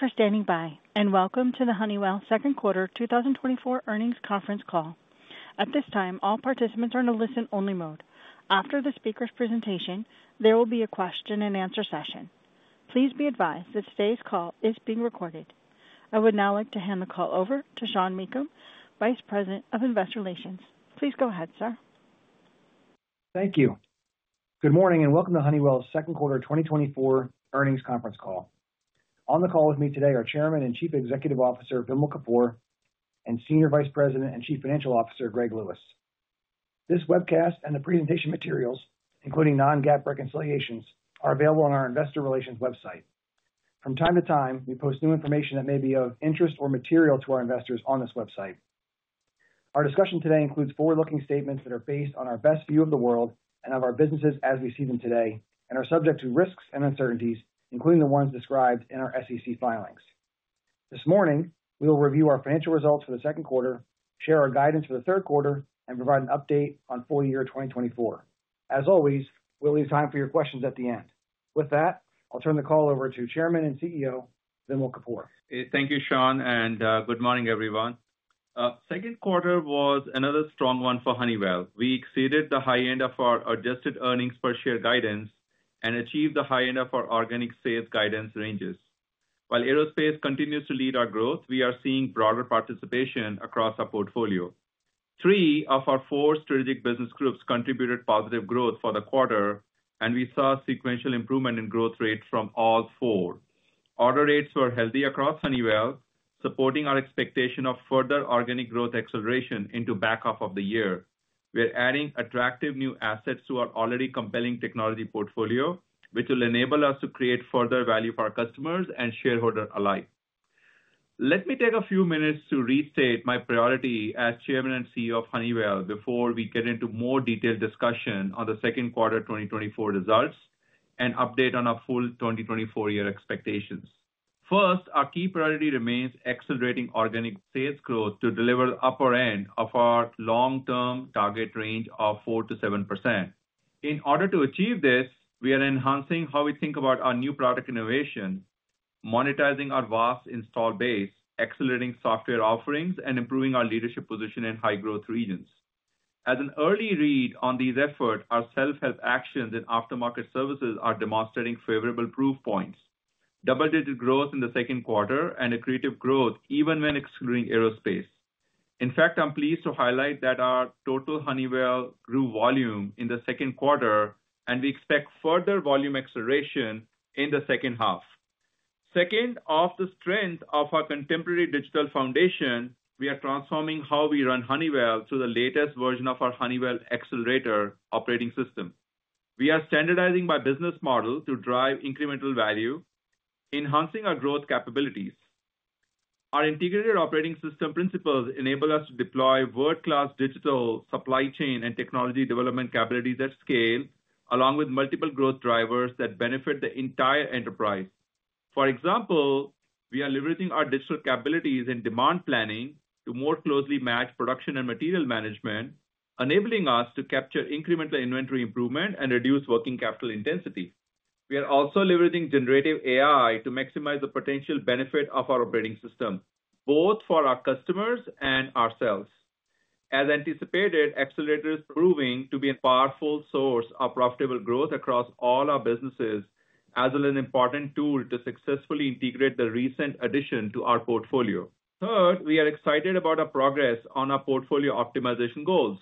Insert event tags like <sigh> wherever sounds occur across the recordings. Thank you for standing by, and welcome to the Honeywell Second Quarter 2024 Earnings Conference Call. At this time, all participants are in a listen-only mode. After the speaker's presentation, there will be a question-and-answer session. Please be advised that today's call is being recorded. I would now like to hand the call over to Sean Meakim, Vice President of Investor Relations. Please go ahead, sir. Thank you. Good morning and welcome to Honeywell's Second Quarter 2024 Earnings Conference Call. On the call with me today are Chairman and Chief Executive Officer Vimal Kapur, and Senior Vice President and Chief Financial Officer Greg Lewis. This webcast and the presentation materials, including non-GAAP reconciliations, are available on our Investor Relations website. From time to time, we post new information that may be of interest or material to our investors on this website. Our discussion today includes forward-looking statements that are based on our best view of the world and of our businesses as we see them today, and are subject to risks and uncertainties, including the ones described in our SEC filings. This morning, we will review our financial results for the second quarter, share our guidance for the third quarter, and provide an update on full year 2024. As always, we'll leave time for your questions at the end. With that, I'll turn the call over to Chairman and CEO Vimal Kapur. Thank you, Sean, and good morning, everyone. Second quarter was another strong one for Honeywell. We exceeded the high end of our adjusted earnings per share guidance and achieved the high end of our organic sales guidance ranges. While Aerospace continues to lead our growth, we are seeing broader participation across our portfolio. Three of our four Strategic Business Groups contributed positive growth for the quarter, and we saw sequential improvement in growth rates from all four. Order rates were healthy across Honeywell, supporting our expectation of further organic growth acceleration into the back half of the year. We're adding attractive new assets to our already compelling technology portfolio, which will enable us to create further value for our customers and shareholders alike. Let me take a few minutes to restate my priority as Chairman and CEO of Honeywell before we get into more detailed discussion on the second quarter 2024 results and update on our full 2024 year expectations. First, our key priority remains accelerating organic sales growth to deliver the upper end of our long-term target range of 4%-7%. In order to achieve this, we are enhancing how we think about our new product innovation, monetizing our vast installed base, accelerating software offerings, and improving our leadership position in high-growth regions. As an early read on these efforts, our self-help actions and aftermarket services are demonstrating favorable proof points. Double-digit growth in the second quarter and accretive growth even when excluding Aerospace. In fact, I'm pleased to highlight that our total Honeywell growth volume in the second quarter, and we expect further volume acceleration in the second half. Second, off the strength of our contemporary digital foundation, we are transforming how we run Honeywell through the latest version of our Honeywell Accelerator operating system. We are standardizing by business model to drive incremental value, enhancing our growth capabilities. Our integrated operating system principles enable us to deploy world-class digital supply chain and technology development capabilities at scale, along with multiple growth drivers that benefit the entire enterprise. For example, we are leveraging our digital capabilities in demand planning to more closely match production and material management, enabling us to capture incremental inventory improvement and reduce working capital intensity. We are also leveraging generative AI to maximize the potential benefit of our operating system, both for our customers and ourselves. As anticipated, Accelerator is proving to be a powerful source of profitable growth across all our businesses, as well as an important tool to successfully integrate the recent addition to our portfolio. Third, we are excited about our progress on our portfolio optimization goals.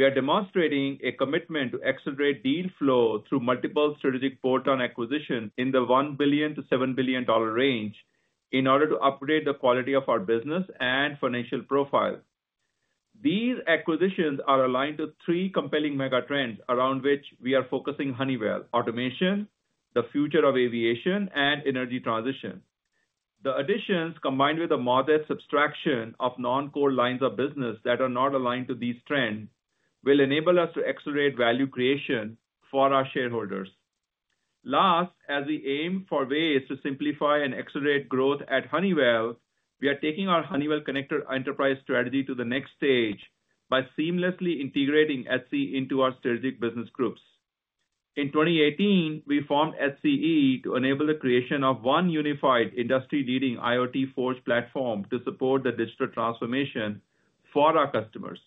We are demonstrating a commitment to accelerate deal flow through multiple strategic bolt-on acquisitions in the $1 billion-$7 billion range in order to upgrade the quality of our business and financial profile. These acquisitions are aligned to three compelling mega trends around which we are focusing Honeywell: automation, the future of aviation, and energy transition. The additions, combined with a modest subtraction of non-core lines of business that are not aligned to these trends, will enable us to accelerate value creation for our shareholders. Last, as we aim for ways to simplify and accelerate growth at Honeywell, we are taking our Honeywell Connected Enterprise strategy to the next stage by seamlessly integrating HCE into our strategic business groups. In 2018, we formed HCE to enable the creation of one unified industry-leading IoT Forge platform to support the digital transformation for our customers.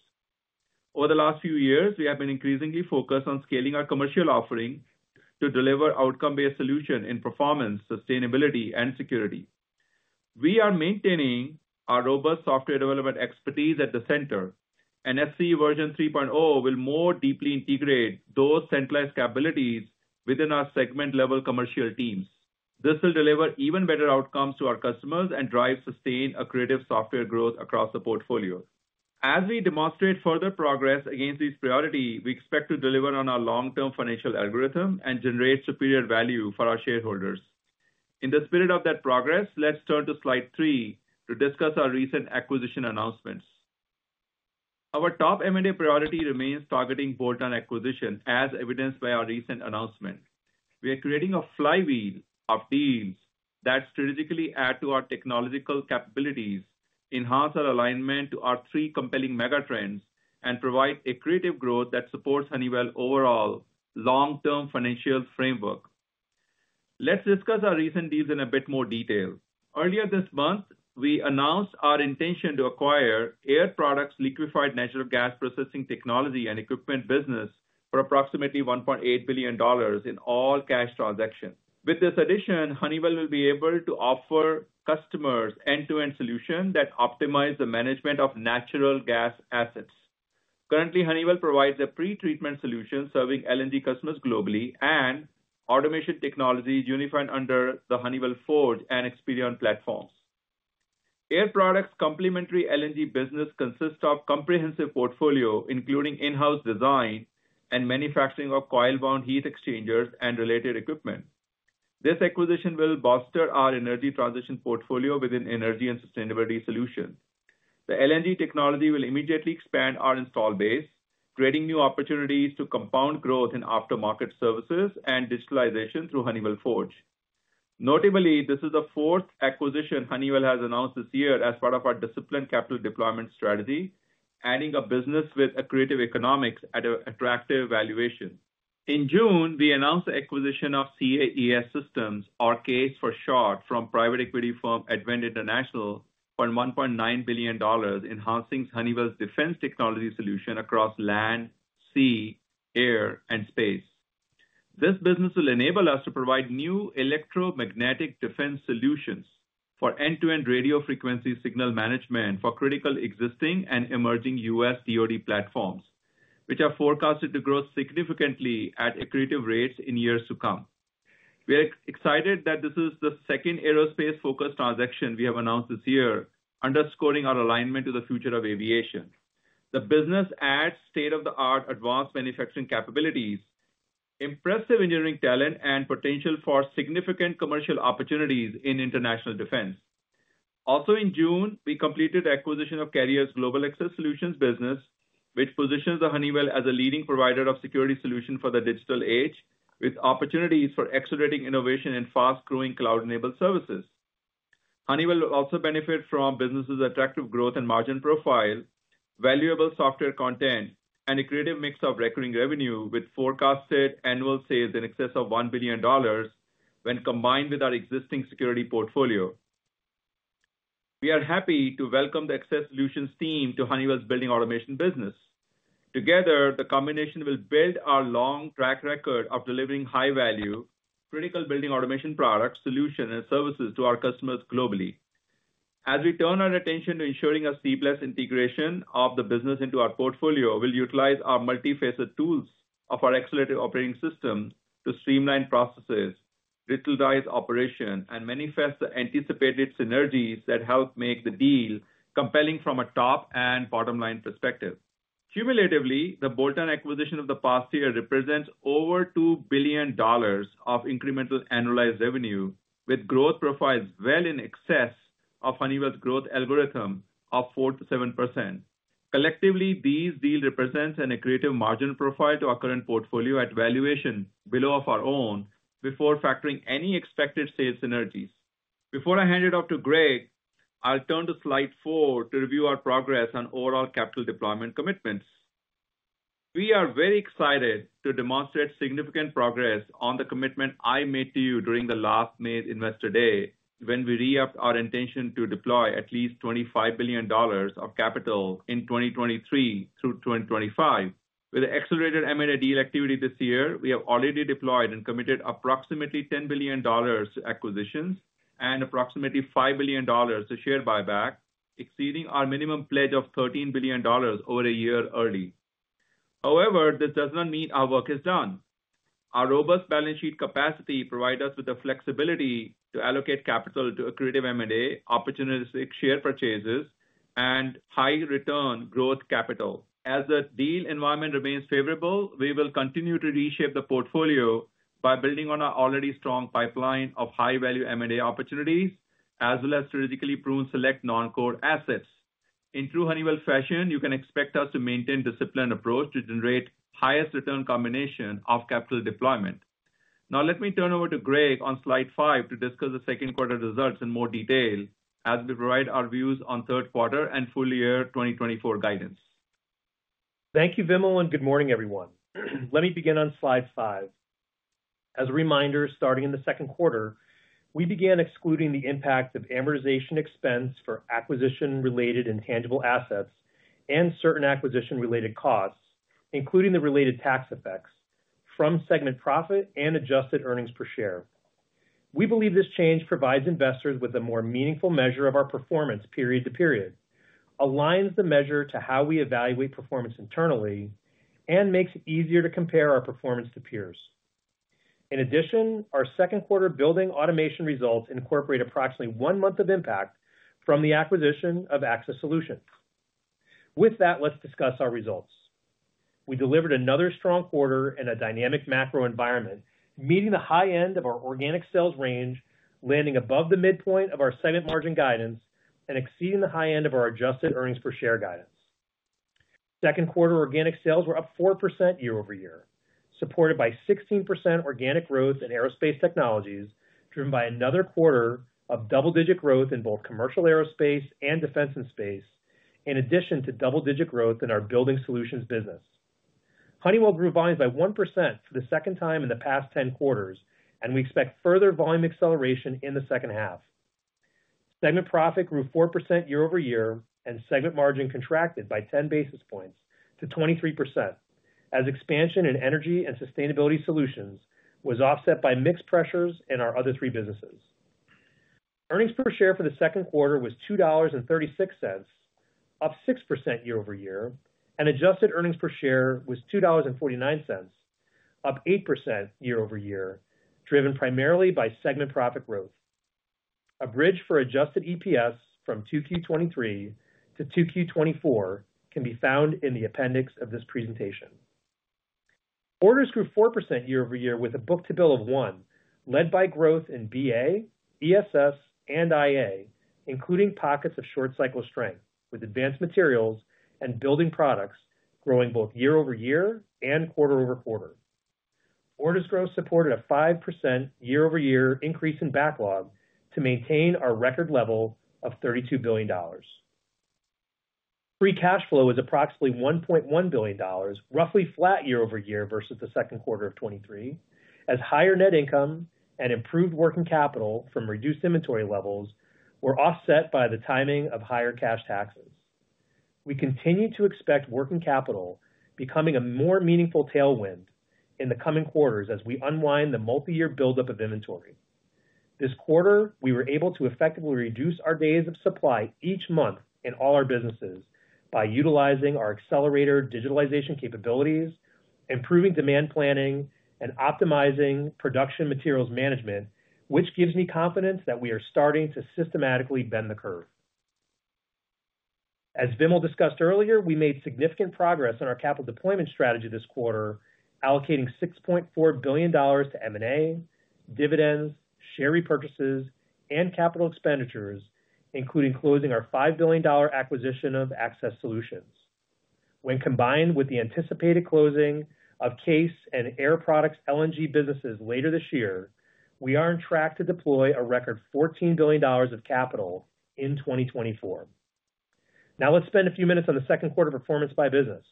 Over the last few years, we have been increasingly focused on scaling our commercial offering to deliver outcome-based solutions in performance, sustainability, and security. We are maintaining our robust software development expertise at the center, and HCE version 3.0 will more deeply integrate those centralized capabilities within our segment-level commercial teams. This will deliver even better outcomes to our customers and drive sustained accretive software growth across the portfolio. As we demonstrate further progress against this priority, we expect to deliver on our long-term financial algorithm and generate superior value for our shareholders. In the spirit of that progress, let's turn to slide three to discuss our recent acquisition announcements. Our top M&A priority remains targeting bolt-on acquisition, as evidenced by our recent announcement. We are creating a flywheel of deals that strategically add to our technological capabilities, enhance our alignment to our three compelling mega trends, and provide accretive growth that supports Honeywell's overall long-term financial framework. Let's discuss our recent deals in a bit more detail. Earlier this month, we announced our intention to acquire Air Products' liquefied natural gas processing technology and equipment business for approximately $1.8 billion in all cash transactions. With this addition, Honeywell will be able to offer customers end-to-end solutions that optimize the management of natural gas assets. Currently, Honeywell provides a pre-treatment solution serving LNG customers globally and automation technologies unified under the Honeywell Forge and Experion platforms. Air Products' complementary LNG business consists of a comprehensive portfolio, including in-house design and manufacturing of coil-wound heat exchangers and related equipment. This acquisition will bolster our energy transition portfolio within Energy and Sustainability Solutions. The LNG technology will immediately expand our installed base, creating new opportunities to compound growth in aftermarket services and digitalization through Honeywell Forge. Notably, this is the fourth acquisition Honeywell has announced this year as part of our disciplined capital deployment strategy, adding a business with accretive economics at an attractive valuation. In June, we announced the acquisition of CAES Systems, or CAES for short, from private equity firm Advent International for $1.9 billion, enhancing Honeywell's defense technology solution across land, sea, air, and space. This business will enable us to provide new electromagnetic defense solutions for end-to-end radio frequency signal management for critical existing and emerging U.S. DOD platforms, which are forecasted to grow significantly at accretive rates in years to come. We are excited that this is the second aerospace-focused transaction we have announced this year, underscoring our alignment to the future of aviation. The business adds state-of-the-art advanced manufacturing capabilities, impressive engineering talent, and potential for significant commercial opportunities in international defense. Also, in June, we completed the acquisition of Carrier's Global Access Solutions business, which positions Honeywell as a leading provider of security solutions for the digital age, with opportunities for accelerating innovation and fast-growing cloud-enabled services. Honeywell will also benefit from businesses' attractive growth and margin profile, valuable software content, and accretive mix of recurring revenue, with forecasted annual sales in excess of $1 billion when combined with our existing security portfolio. We are happy to welcome the Access Solutions team to Honeywell's Building Automation business. Together, the combination will build our long track record of delivering high-value, critical Building Automation products, solutions, and services to our customers globally. As we turn our attention to ensuring a seamless integration of the business into our portfolio, we'll utilize our multi-faceted tools of our Accelerator operating system to streamline processes, digitalize operations, and manifest the anticipated synergies that help make the deal compelling from a top and bottom-line perspective. Cumulatively, the bolt-on acquisition of the past year represents over $2 billion of incremental annualized revenue, with growth profiles well in excess of Honeywell's growth algorithm of 4%-7%. Collectively, these deals represent an accretive margin profile to our current portfolio at valuation below our own before factoring any expected sales synergies. Before I hand it off to Greg, I'll turn to slide four to review our progress on overall capital deployment commitments. We are very excited to demonstrate significant progress on the commitment I made to you during the last May's Investor Day, when we re-upped our intention to deploy at least $25 billion of capital in 2023 through 2025. With the accelerated M&A deal activity this year, we have already deployed and committed approximately $10 billion to acquisitions and approximately $5 billion to share buyback, exceeding our minimum pledge of $13 billion over a year early. However, this does not mean our work is done. Our robust balance sheet capacity provides us with the flexibility to allocate capital to accretive M&A, opportunistic share purchases, and high-return growth capital. As the deal environment remains favorable, we will continue to reshape the portfolio by building on our already strong pipeline of high-value M&A opportunities, as well as strategically pruned select non-core assets. In true Honeywell fashion, you can expect us to maintain a disciplined approach to generate the highest return combination of capital deployment. Now, let me turn over to Greg on slide five to discuss the second quarter results in more detail, as we provide our views on third quarter and full year 2024 guidance. Thank you, Vimal, and good morning, everyone. Let me begin on slide five. As a reminder, starting in the second quarter, we began excluding the impact of amortization expense for acquisition-related intangible assets and certain acquisition-related costs, including the related tax effects from segment profit and adjusted earnings per share. We believe this change provides investors with a more meaningful measure of our performance period to period, aligns the measure to how we evaluate performance internally, and makes it easier to compare our performance to peers. In addition, our second quarter Building Automation results incorporate approximately one month of impact from the acquisition of Access Solutions. With that, let's discuss our results. We delivered another strong quarter in a dynamic macro environment, meeting the high end of our organic sales range, landing above the midpoint of our segment margin guidance and exceeding the high end of our adjusted earnings per share guidance. Second quarter organic sales were up 4% year-over-year, supported by 16% organic growth in Aerospace Technologies, driven by another quarter of double-digit growth in both commercial Aerospace and Defense and Space, in addition to double-digit growth in our Building Solutions business. Honeywell grew volumes by 1% for the second time in the past 10 quarters, and we expect further volume acceleration in the second half. Segment profit grew 4% year-over-year, and segment margin contracted by 10 basis points to 23%, as expansion in Energy and Sustainability Solutions was offset by mix pressures in our other three businesses. Earnings per share for the second quarter was $2.36, up 6% year-over-year, and adjusted earnings per share was $2.49, up 8% year-over-year, driven primarily by segment profit growth. A bridge for adjusted EPS from 2Q 2023 to 2Q 2024 can be found in the appendix of this presentation. Orders grew 4% year-over-year with a book-to-bill of one, led by growth in BA, ESS, and IA, including pockets of short-cycle strength with Advanced Materials and Building Products growing both year-over-year and quarter-over-quarter. Orders growth supported a 5% year-over-year increase in backlog to maintain our record level of $32 billion. Free cash flow was approximately $1.1 billion, roughly flat year-over-year versus the second quarter of 2023, as higher net income and improved working capital from reduced inventory levels were offset by the timing of higher cash taxes. We continue to expect working capital becoming a more meaningful tailwind in the coming quarters as we unwind the multi-year buildup of inventory. This quarter, we were able to effectively reduce our days of supply each month in all our businesses by utilizing our Accelerator digitalization capabilities, improving demand planning, and optimizing production materials management, which gives me confidence that we are starting to systematically bend the curve. As Vimal discussed earlier, we made significant progress in our capital deployment strategy this quarter, allocating $6.4 billion to M&A, dividends, share repurchases, and capital expenditures, including closing our $5 billion acquisition of Access Solutions. When combined with the anticipated closing of CAES and Air Products' LNG businesses later this year, we are on track to deploy a record $14 billion of capital in 2024. Now, let's spend a few minutes on the second quarter performance by business.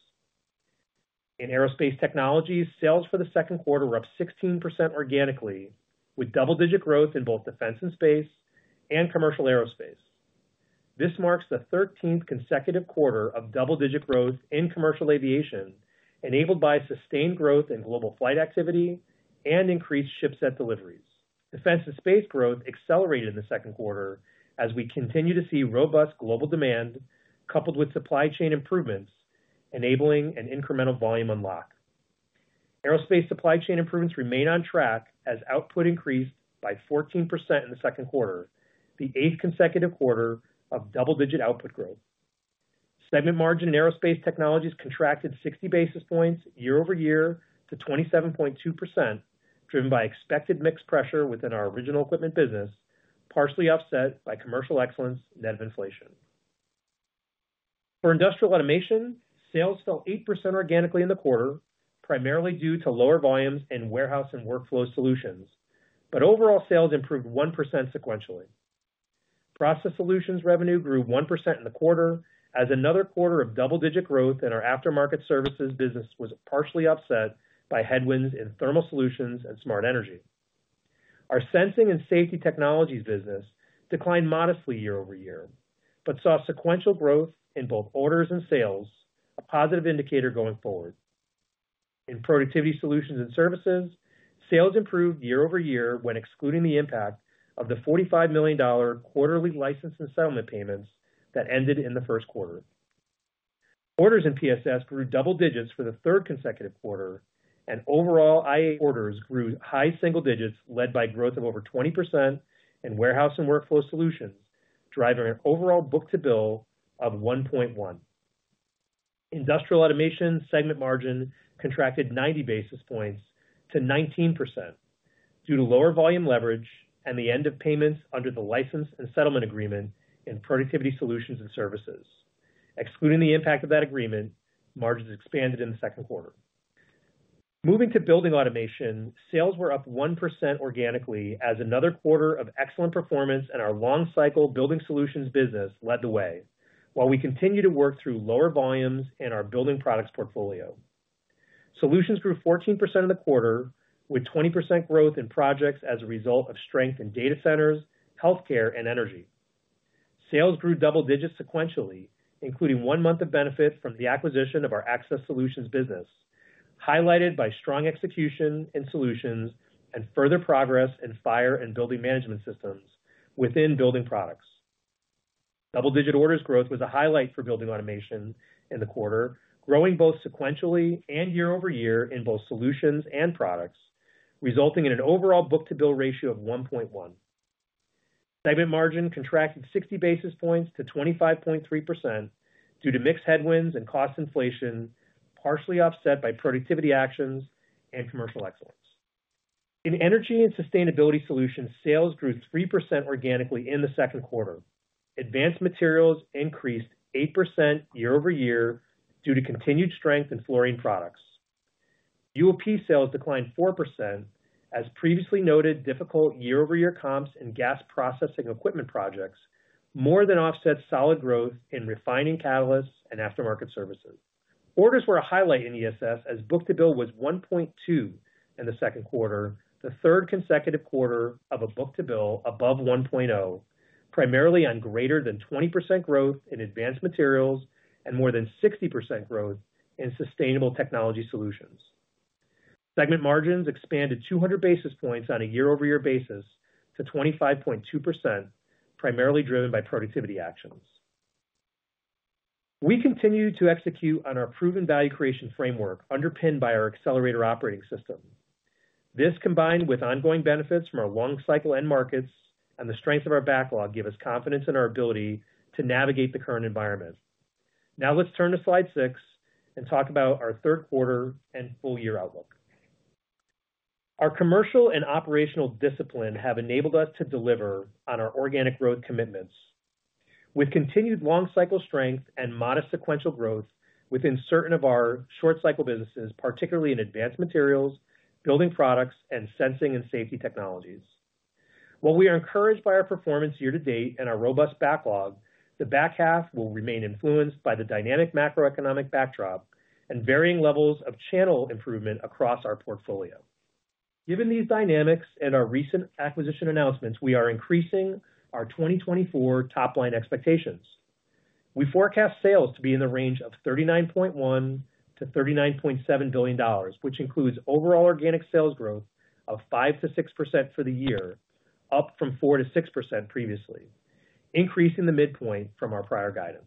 In Aerospace Technologies, sales for the second quarter were up 16% organically, with double-digit growth in both Defense and Space and Commercial Aerospace. This marks the 13th consecutive quarter of double-digit growth in commercial aviation, enabled by sustained growth in global flight activity and increased shipset deliveries. Defense and Space growth accelerated in the second quarter as we continue to see robust global demand coupled with supply chain improvements, enabling an incremental volume unlock. Aerospace supply chain improvements remain on track as output increased by 14% in the second quarter, the eighth consecutive quarter of double-digit output growth. Segment margin in Aerospace Technologies contracted 60 basis points year-over-year to 27.2%, driven by expected mix pressure within our Original Equipment business, partially offset by commercial excellence net of inflation. For Industrial Automation, sales fell 8% organically in the quarter, primarily due to lower volumes in Warehouse and Workflow Solutions, but overall sales improved 1% sequentially. Process Solutions revenue grew 1% in the quarter as another quarter of double-digit growth in our aftermarket services business was partially offset by headwinds in Thermal Solutions and Smart Energy. Our Sensing and Safety Technologies business declined modestly year-over-year, but saw sequential growth in both orders and sales, a positive indicator going forward. In Productivity Solutions and Services, sales improved year-over-year when excluding the impact of the $45 million quarterly license and settlement payments that ended in the first quarter. Orders in PSS grew double digits for the third consecutive quarter, and overall IA orders grew high single digits, led by growth of over 20% in Warehouse and Workflow Solutions, driving our overall book-to-bill of 1.1. Industrial Automation segment margin contracted 90 basis points to 19% due to lower volume leverage and the end of payments under the license and settlement agreement in Productivity Solutions and Services. Excluding the impact of that agreement, margins expanded in the second quarter. Moving to Building Automation, sales were up 1% organically as another quarter of excellent performance in our long-cycle Building Solutions business led the way, while we continue to work through lower volumes in our Building Products portfolio. Solutions grew 14% in the quarter, with 20% growth in projects as a result of strength in data centers, healthcare, and energy. Sales grew double digits sequentially, including one month of benefit from the acquisition of our Access Solutions business, highlighted by strong execution in solutions and further progress in Fire and Building Management Systems within Building Products. Double-digit orders growth was a highlight for Building Automation in the quarter, growing both sequentially and year-over-year in both solutions and products, resulting in an overall book-to-bill ratio of 1.1. Segment margin contracted 60 basis points to 25.3% due to mix headwinds and cost inflation, partially offset by productivity actions and commercial excellence. In Energy and Sustainability Solutions, sales grew 3% organically in the second quarter. Advanced materials increased 8% year-over-year due to continued strength in Fluorine Products. UOP sales declined 4%, as previously noted difficult year-over-year comps in gas processing equipment projects more than offset solid growth in refining catalysts and aftermarket services. Orders were a highlight in ESS, as book-to-bill was 1.2 in the second quarter, the third consecutive quarter of a book-to-bill above 1.0, primarily on greater than 20% growth in Advanced Materials and more than 60% growth in Sustainable Technology Solutions. Segment margins expanded 200 basis points on a year-over-year basis to 25.2%, primarily driven by productivity actions. We continue to execute on our proven value creation framework underpinned by our Accelerator operating system. This, combined with ongoing benefits from our long-cycle end markets and the strength of our backlog, gives us confidence in our ability to navigate the current environment. Now, let's turn to slide six and talk about our third quarter and full year outlook. Our commercial and operational discipline have enabled us to deliver on our organic growth commitments with continued long-cycle strength and modest sequential growth within certain of our short-cycle businesses, particularly in Advanced Materials, Building Products, and Sensing and Safety Technologies. While we are encouraged by our performance year-to-date and our robust backlog, the back half will remain influenced by the dynamic macroeconomic backdrop and varying levels of channel improvement across our portfolio. Given these dynamics and our recent acquisition announcements, we are increasing our 2024 top-line expectations. We forecast sales to be in the range of $39.1 billion-$39.7 billion, which includes overall organic sales growth of 5%-6% for the year, up from 4%-6% previously, increasing the midpoint from our prior guidance.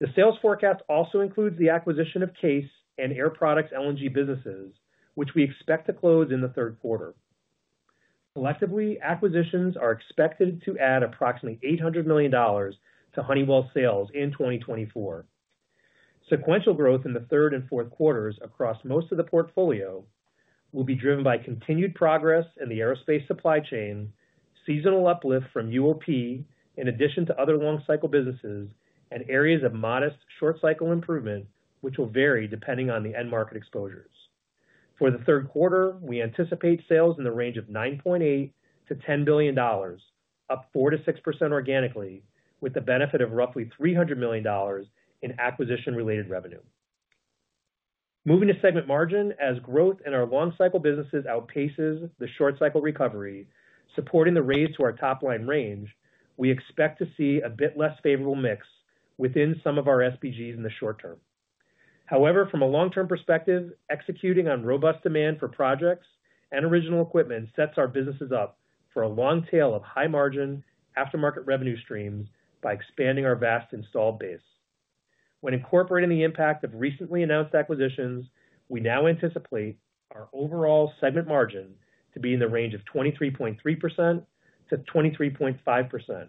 The sales forecast also includes the acquisition of CAES and Air Products' LNG businesses, which we expect to close in the third quarter. Collectively, acquisitions are expected to add approximately $800 million to Honeywell sales in 2024. Sequential growth in the third and fourth quarters across most of the portfolio will be driven by continued progress in the Aerospace supply chain, seasonal uplift from UOP, in addition to other long-cycle businesses, and areas of modest short-cycle improvement, which will vary depending on the end market exposures. For the third quarter, we anticipate sales in the range of $9.8 billion-$10 billion, up 4%-6% organically, with the benefit of roughly $300 million in acquisition-related revenue. Moving to segment margin, as growth in our long-cycle businesses outpaces the short-cycle recovery, supporting the raise to our top-line range, we expect to see a bit less favorable mix within some of our SBGs in the short term. However, from a long-term perspective, executing on robust demand for projects and original equipment sets our businesses up for a long tail of high-margin aftermarket revenue streams by expanding our vast installed base. When incorporating the impact of recently announced acquisitions, we now anticipate our overall segment margin to be in the range of 23.3%-23.5%,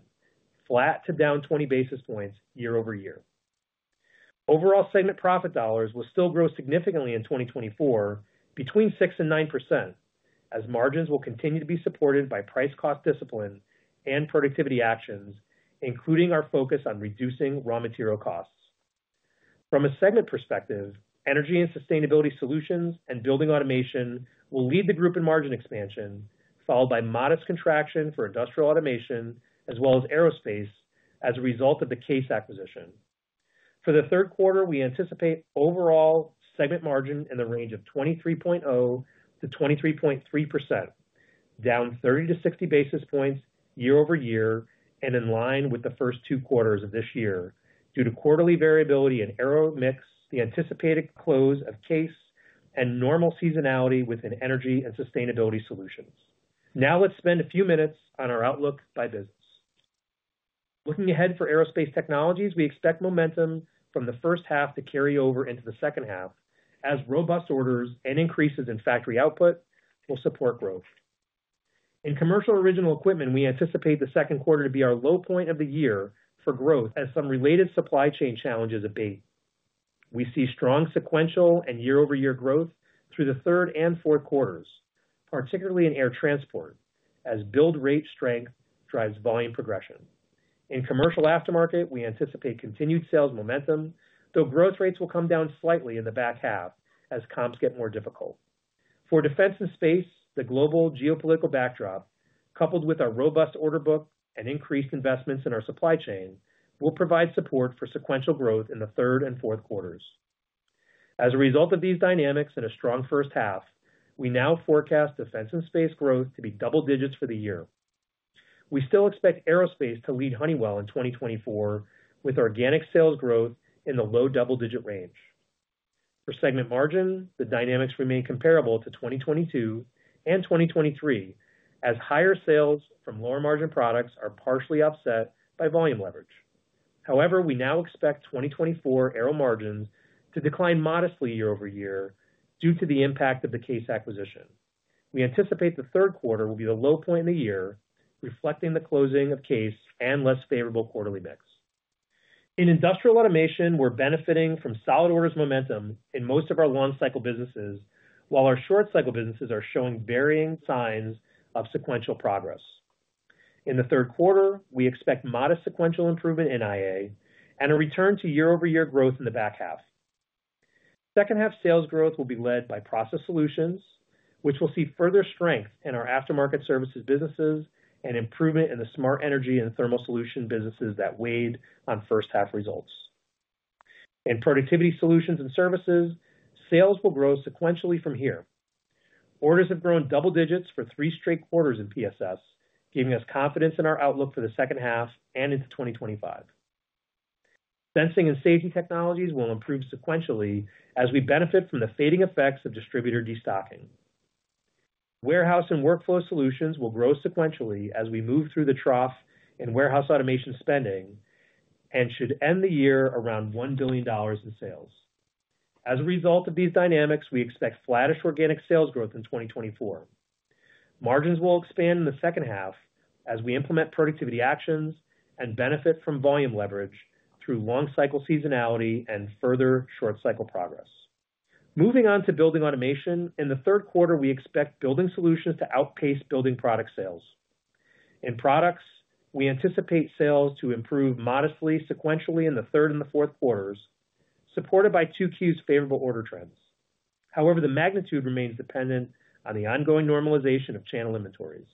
flat to down 20 basis points year-over-year. Overall segment profit dollars will still grow significantly in 2024, between 6% and 9%, as margins will continue to be supported by price-cost discipline and productivity actions, including our focus on reducing raw material costs. From a segment perspective, Energy and Sustainability Solutions and Building Automation will lead the group in margin expansion, followed by modest contraction for Industrial Automation, as well as Aerospace, as a result of the CAES acquisition. For the third quarter, we anticipate overall segment margin in the range of 23.0%-23.3%, down 30-60 basis points year-over-year, and in line with the first two quarters of this year due to quarterly variability in Aero mix, the anticipated close of CAES, and normal seasonality within Energy and Sustainability Solutions. Now, let's spend a few minutes on our outlook by business. Looking ahead for Aerospace Technologies, we expect momentum from the first half to carry over into the second half, as robust orders and increases in factory output will support growth. In commercial original equipment, we anticipate the second quarter to be our low point of the year for growth, as some related supply chain challenges abate. We see strong sequential and year-over-year growth through the third and fourth quarters, particularly in Air Transport, as build rate strength drives volume progression. In commercial aftermarket, we anticipate continued sales momentum, though growth rates will come down slightly in the back half as comps get more difficult. For Defense and Space, the global geopolitical backdrop, coupled with our robust order book and increased investments in our supply chain, will provide support for sequential growth in the third and fourth quarters. As a result of these dynamics and a strong first half, we now forecast Defense and Space growth to be double digits for the year. We still expect Aerospace to lead Honeywell in 2024, with organic sales growth in the low double-digit range. For segment margin, the dynamics remain comparable to 2022 and 2023, as higher sales from lower margin products are partially offset by volume leverage. However, we now expect 2024 Aero margins to decline modestly year-over-year due to the impact of the CAES acquisition. We anticipate the third quarter will be the low point in the year, reflecting the closing of CAES and less favorable quarterly mix. In Industrial Automation, we're benefiting from solid orders momentum in most of our long-cycle businesses, while our short-cycle businesses are showing varying signs of sequential progress. In the third quarter, we expect modest sequential improvement in IA and a return to year-over-year growth in the back half. Second-half sales growth will be led by Process Solutions, which will see further strength in our aftermarket services businesses and improvement in the Smart Energy and Thermal Solution businesses that weighed on first-half results. In Productivity Solutions and Services, sales will grow sequentially from here. Orders have grown double digits for three straight quarters in PSS, giving us confidence in our outlook for the second half and into 2025. Sensing and Safety Technologies will improve sequentially as we benefit from the fading effects of distributor destocking. Warehouse and Workflow Solutions will grow sequentially as we move through the trough in warehouse automation spending and should end the year around $1 billion in sales. As a result of these dynamics, we expect flattish organic sales growth in 2024. Margins will expand in the second half as we implement productivity actions and benefit from volume leverage through long-cycle seasonality and further short-cycle progress. Moving on to Building Automation, in the third quarter, we expect Building Solutions to outpace building product sales. In products, we anticipate sales to improve modestly sequentially in the third and the fourth quarters, supported by 2Q's favorable order trends. However, the magnitude remains dependent on the ongoing normalization of channel inventories.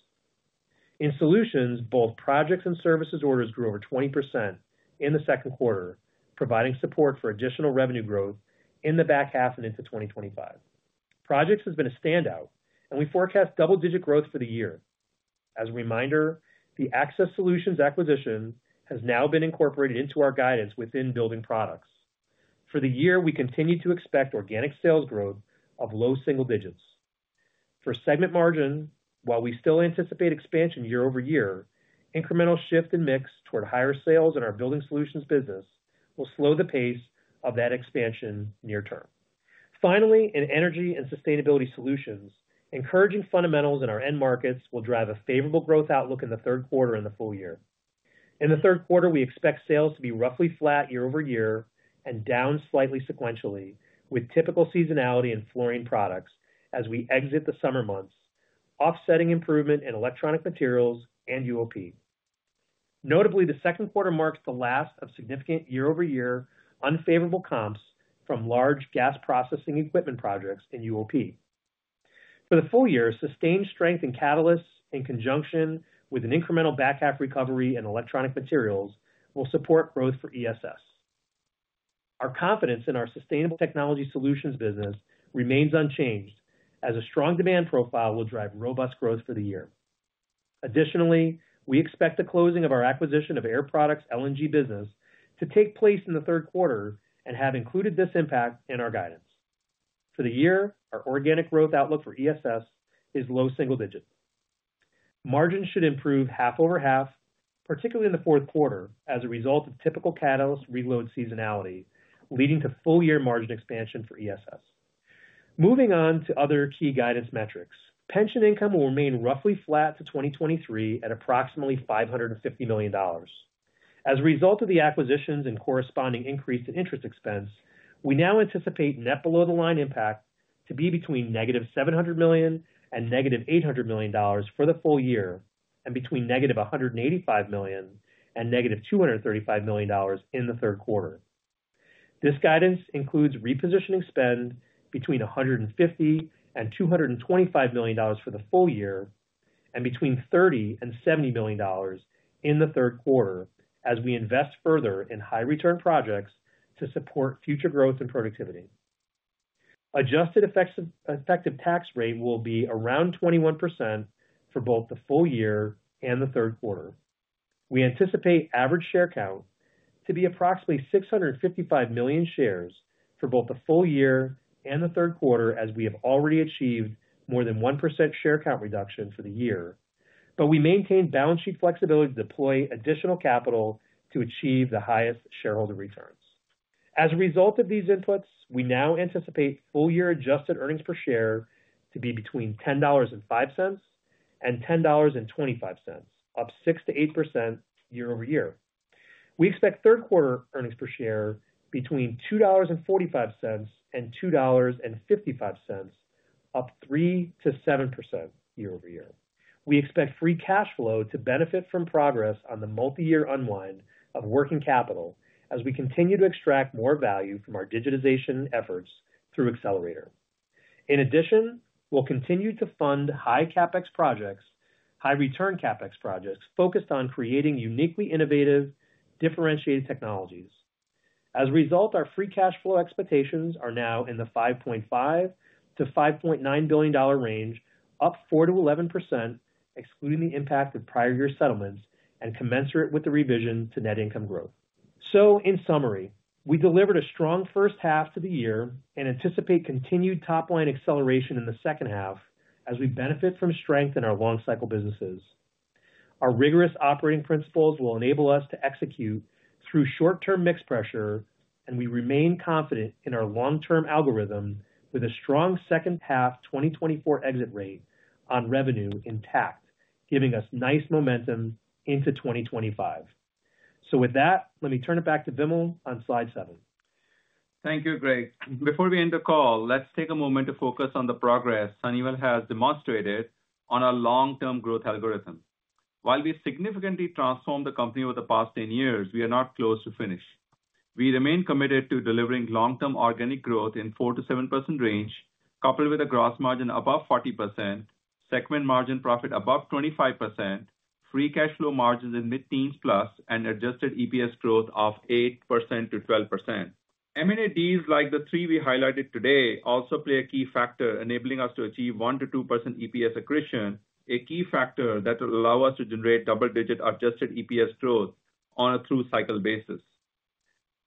In solutions, both projects and services orders grew over 20% in the second quarter, providing support for additional revenue growth in the back half and into 2025. Projects has been a standout, and we forecast double-digit growth for the year. As a reminder, the Access Solutions acquisition has now been incorporated into our guidance within Building Products. For the year, we continue to expect organic sales growth of low single digits. For segment margin, while we still anticipate expansion year-over-year, incremental shift in mix toward higher sales in our Building Solutions business will slow the pace of that expansion near term. Finally, in Energy and Sustainability Solutions, encouraging fundamentals in our end markets will drive a favorable growth outlook in the third quarter and the full year. In the third quarter, we expect sales to be roughly flat year-over-year and down slightly sequentially, with typical seasonality in fluorine products as we exit the summer months, offsetting improvement in Electronic Materials and UOP. Notably, the second quarter marks the last of significant year-over-year unfavorable comps from large gas processing equipment projects in UOP. For the full year, sustained strength in catalysts in conjunction with an incremental back half recovery in Electronic Materials will support growth for ESS. Our confidence in our Sustainable Technology Solutions business remains unchanged, as a strong demand profile will drive robust growth for the year. Additionally, we expect the closing of our acquisition of Air Products' LNG business to take place in the third quarter and have included this impact in our guidance. For the year, our organic growth outlook for ESS is low single digits. Margins should improve half over half, particularly in the fourth quarter, as a result of typical catalyst reload seasonality, leading to full year margin expansion for ESS. Moving on to other key guidance metrics, pension income will remain roughly flat to 2023 at approximately $550 million. As a result of the acquisitions and corresponding increase in interest expense, we now anticipate net below-the-line impact to be between -$700 million and -$800 million for the full year and between -$185 million and -$235 million in the third quarter. This guidance includes repositioning spend between $150 million and $225 million for the full year and between $30 million and $70 million in the third quarter, as we invest further in high-return projects to support future growth and productivity. Adjusted effective tax rate will be around 21% for both the full year and the third quarter. We anticipate average share count to be approximately 655 million shares for both the full year and the third quarter, as we have already achieved more than 1% share count reduction for the year. But we maintain balance sheet flexibility to deploy additional capital to achieve the highest shareholder returns. As a result of these inputs, we now anticipate full year adjusted earnings per share to be between $10.05 and $10.25, up 6%-8% year-over-year. We expect third quarter earnings per share between $2.45 and $2.55, up 3%-7% year-over-year. We expect free cash flow to benefit from progress on the multi-year unwind of working capital as we continue to extract more value from our digitization efforts through Accelerator. In addition, we'll continue to fund high CapEx projects, high-return CapEx projects focused on creating uniquely innovative, differentiated technologies. As a result, our free cash flow expectations are now in the $5.5 billion-$5.9 billion range, up 4%-11%, excluding the impact of prior year settlements and commensurate with the revision to net income growth. So, in summary, we delivered a strong first half to the year and anticipate continued top-line acceleration in the second half as we benefit from strength in our long-cycle businesses. Our rigorous operating principles will enable us to execute through short-term mix pressure, and we remain confident in our long-term algorithm with a strong second half 2024 exit rate on revenue intact, giving us nice momentum into 2025. So, with that, let me turn it back to Vimal on slide seven. Thank you, Greg. Before we end the call, let's take a moment to focus on the progress Honeywell has demonstrated on our long-term growth algorithm. While we significantly transformed the company over the past 10 years, we are not close to finished. We remain committed to delivering long-term organic growth in the 4%-7% range, coupled with a gross margin above 40%, segment margin profit above 25%, free cash flow margins in mid-teens plus, and adjusted EPS growth of 8%-12%. M&A deals like the three we highlighted today also play a key factor, enabling us to achieve 1%-2% EPS accretion, a key factor that will allow us to generate double-digit adjusted EPS growth on a through-cycle basis.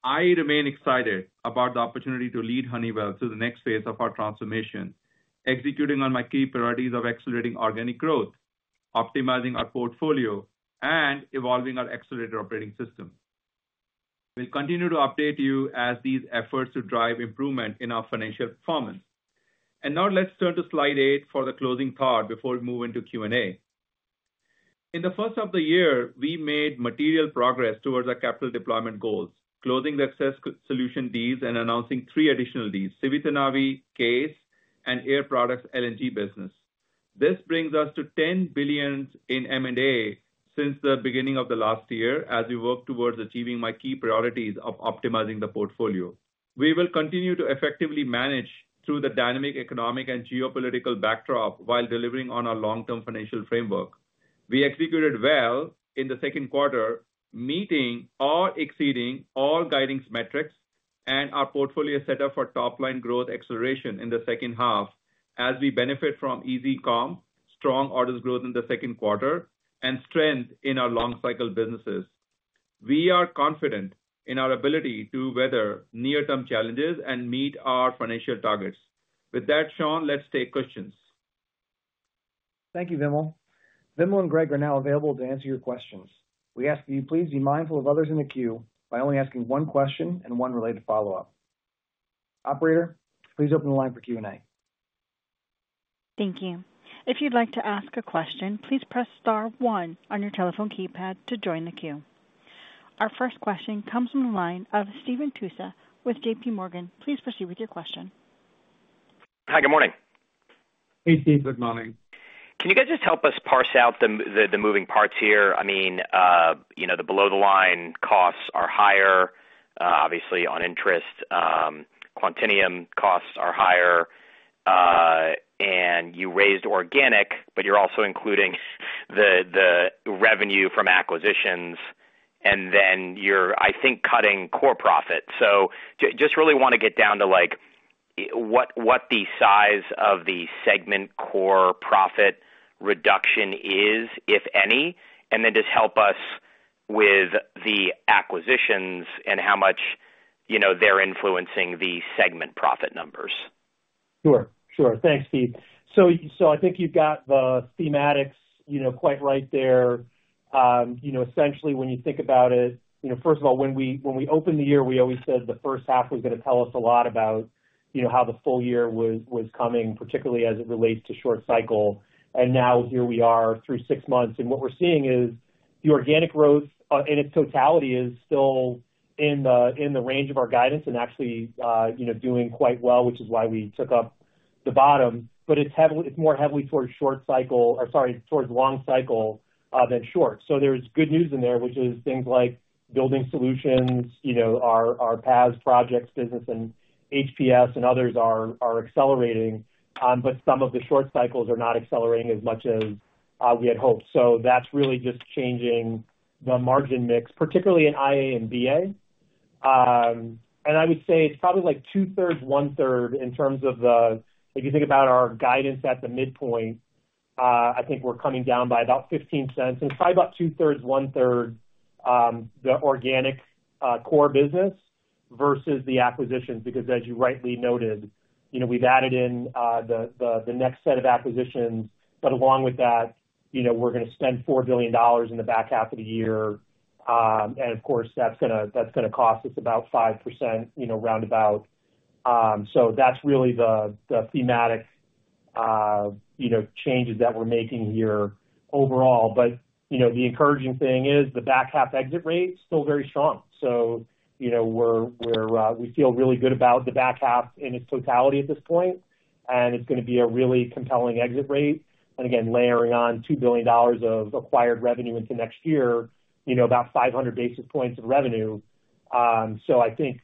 I remain excited about the opportunity to lead Honeywell through the next phase of our transformation, executing on my key priorities of accelerating organic growth, optimizing our portfolio, and evolving our Accelerator operating system. We'll continue to update you as these efforts to drive improvement in our financial performance. Now, let's turn to slide eight for the closing thought before we move into Q&A. In the first half of the year, we made material progress towards our capital deployment goals, closing the Access Solutions deals and announcing three additional deals: Civitanavi, CAES, and Air Products' LNG business. This brings us to $10 billion in M&A since the beginning of the last year as we work towards achieving my key priorities of optimizing the portfolio. We will continue to effectively manage through the dynamic economic and geopolitical backdrop while delivering on our long-term financial framework. We executed well in the second quarter, meeting or exceeding all guidance metrics, and our portfolio is set up for top-line growth acceleration in the second half as we benefit from easy comp, strong orders growth in the second quarter, and strength in our long-cycle businesses. We are confident in our ability to weather near-term challenges and meet our financial targets. With that, Sean, let's take questions. Thank you, Vimal. Vimal and Greg are now available to answer your questions. We ask that you please be mindful of others in the queue by only asking one question and one related follow-up. Operator, please open the line for Q&A. Thank you. If you'd like to ask a question, please press star one on your telephone keypad to join the queue. Our first question comes from the line of Stephen Tusa with JPMorgan. Please proceed with your question. Hi, good morning. Hey, Steve. Good morning. Can you guys just help us parse out the moving parts here? I mean, the below-the-line costs are higher, obviously, on interest. Quantinuum costs are higher. And you raised organic, but you're also including the revenue from acquisitions. And then you're, I think, cutting core profit. So just really want to get down to what the size of the segment core profit reduction is, if any, and then just help us with the acquisitions and how much they're influencing the segment profit numbers. Sure. Sure. Thanks, Steve. So I think you've got the thematics quite right there. Essentially, when you think about it, first of all, when we opened the year, we always said the first half was going to tell us a lot about how the full year was coming, particularly as it relates to short cycle. And now, here we are through six months. And what we're seeing is the organic growth in its totality is still in the range of our guidance and actually doing quite well, which is why we took up the bottom. But it's more heavily towards short cycle or, sorry, towards long cycle than short. So there's good news in there, which is things like Building Solutions, our PAS projects business, and HPS and others are accelerating. But some of the short cycles are not accelerating as much as we had hoped. So that's really just changing the margin mix, particularly in IA and BA. And I would say it's probably like 2/3, 1/3 in terms of the if you think about our guidance at the midpoint, I think we're coming down by about $0.15. And it's probably about 2/3, 1/3 the organic core business versus the acquisitions because, as you rightly noted, we've added in the next set of acquisitions. But along with that, we're going to spend $4 billion in the back half of the year. And of course, that's going to cost us about 5% roundabout. So that's really the thematic changes that we're making here overall. But the encouraging thing is the back half exit rate is still very strong. So we feel really good about the back half in its totality at this point. And it's going to be a really compelling exit rate. And again, layering on $2 billion of acquired revenue into next year, about 500 basis points of revenue. So I think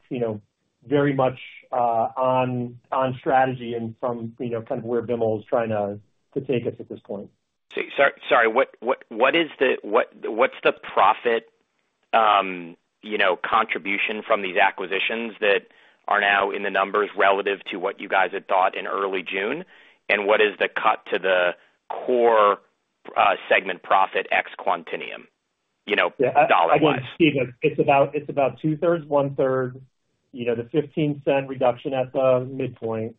very much on strategy and from kind of where Vimal is trying to take us at this point. Sorry, what's the profit contribution from these acquisitions that are now in the numbers relative to what you guys had thought in early June? And what is the cut to the core segment profit ex-Quantinuum dollar-wise? Steve, it's about 2/3, 1/3. The $0.15 reduction at the midpoint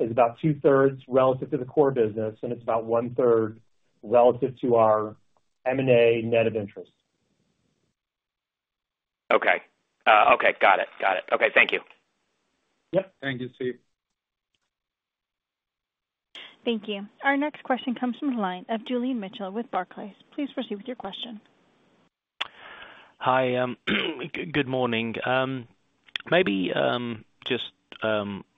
is about 2/3 relative to the core business, and it's about 1/3 relative to our M&A net of interest. Okay. Okay. Got it. Got it. Okay. Thank you. Yep. Thank you, Steve. Thank you. Our next question comes from the line of Julian Mitchell with Barclays. Please proceed with your question. Hi. Good morning. Maybe just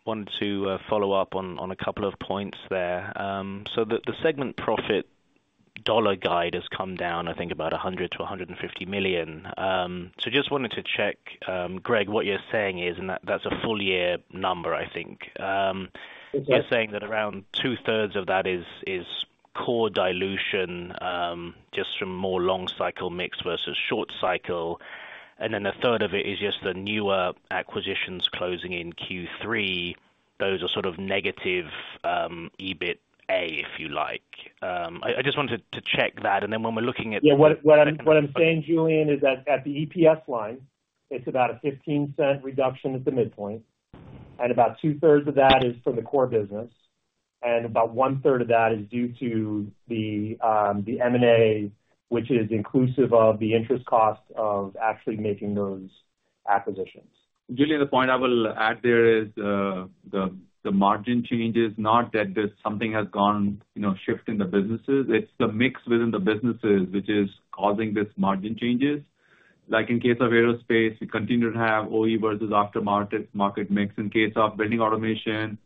wanted to follow up on a couple of points there. So the segment profit dollar guide has come down, I think, about $100 million-$150 million. So just wanted to check, Greg, what you're saying is, and that's a full year number, I think. You're saying that around 2/3 of that is core dilution just from more long-cycle mix versus short cycle. And then 1/3 of it is just the newer acquisitions closing in Q3. Those are sort of negative EBITDA, if you like. I just wanted to check that. And then when we're looking at the. Yeah. What I'm saying, Julian, is that at the EPS line, it's about a $0.15 reduction at the midpoint. About 2/3 of that is from the core business. About 1/3 of that is due to the M&A, which is inclusive of the interest cost of actually making those acquisitions. Julian, the point I will add there is the margin changes, not that something has shifted in the businesses. It's the mix within the businesses which is causing these margin changes. Like in case of Aerospace, we continue to have OE versus aftermarket mix in case of Building Automation,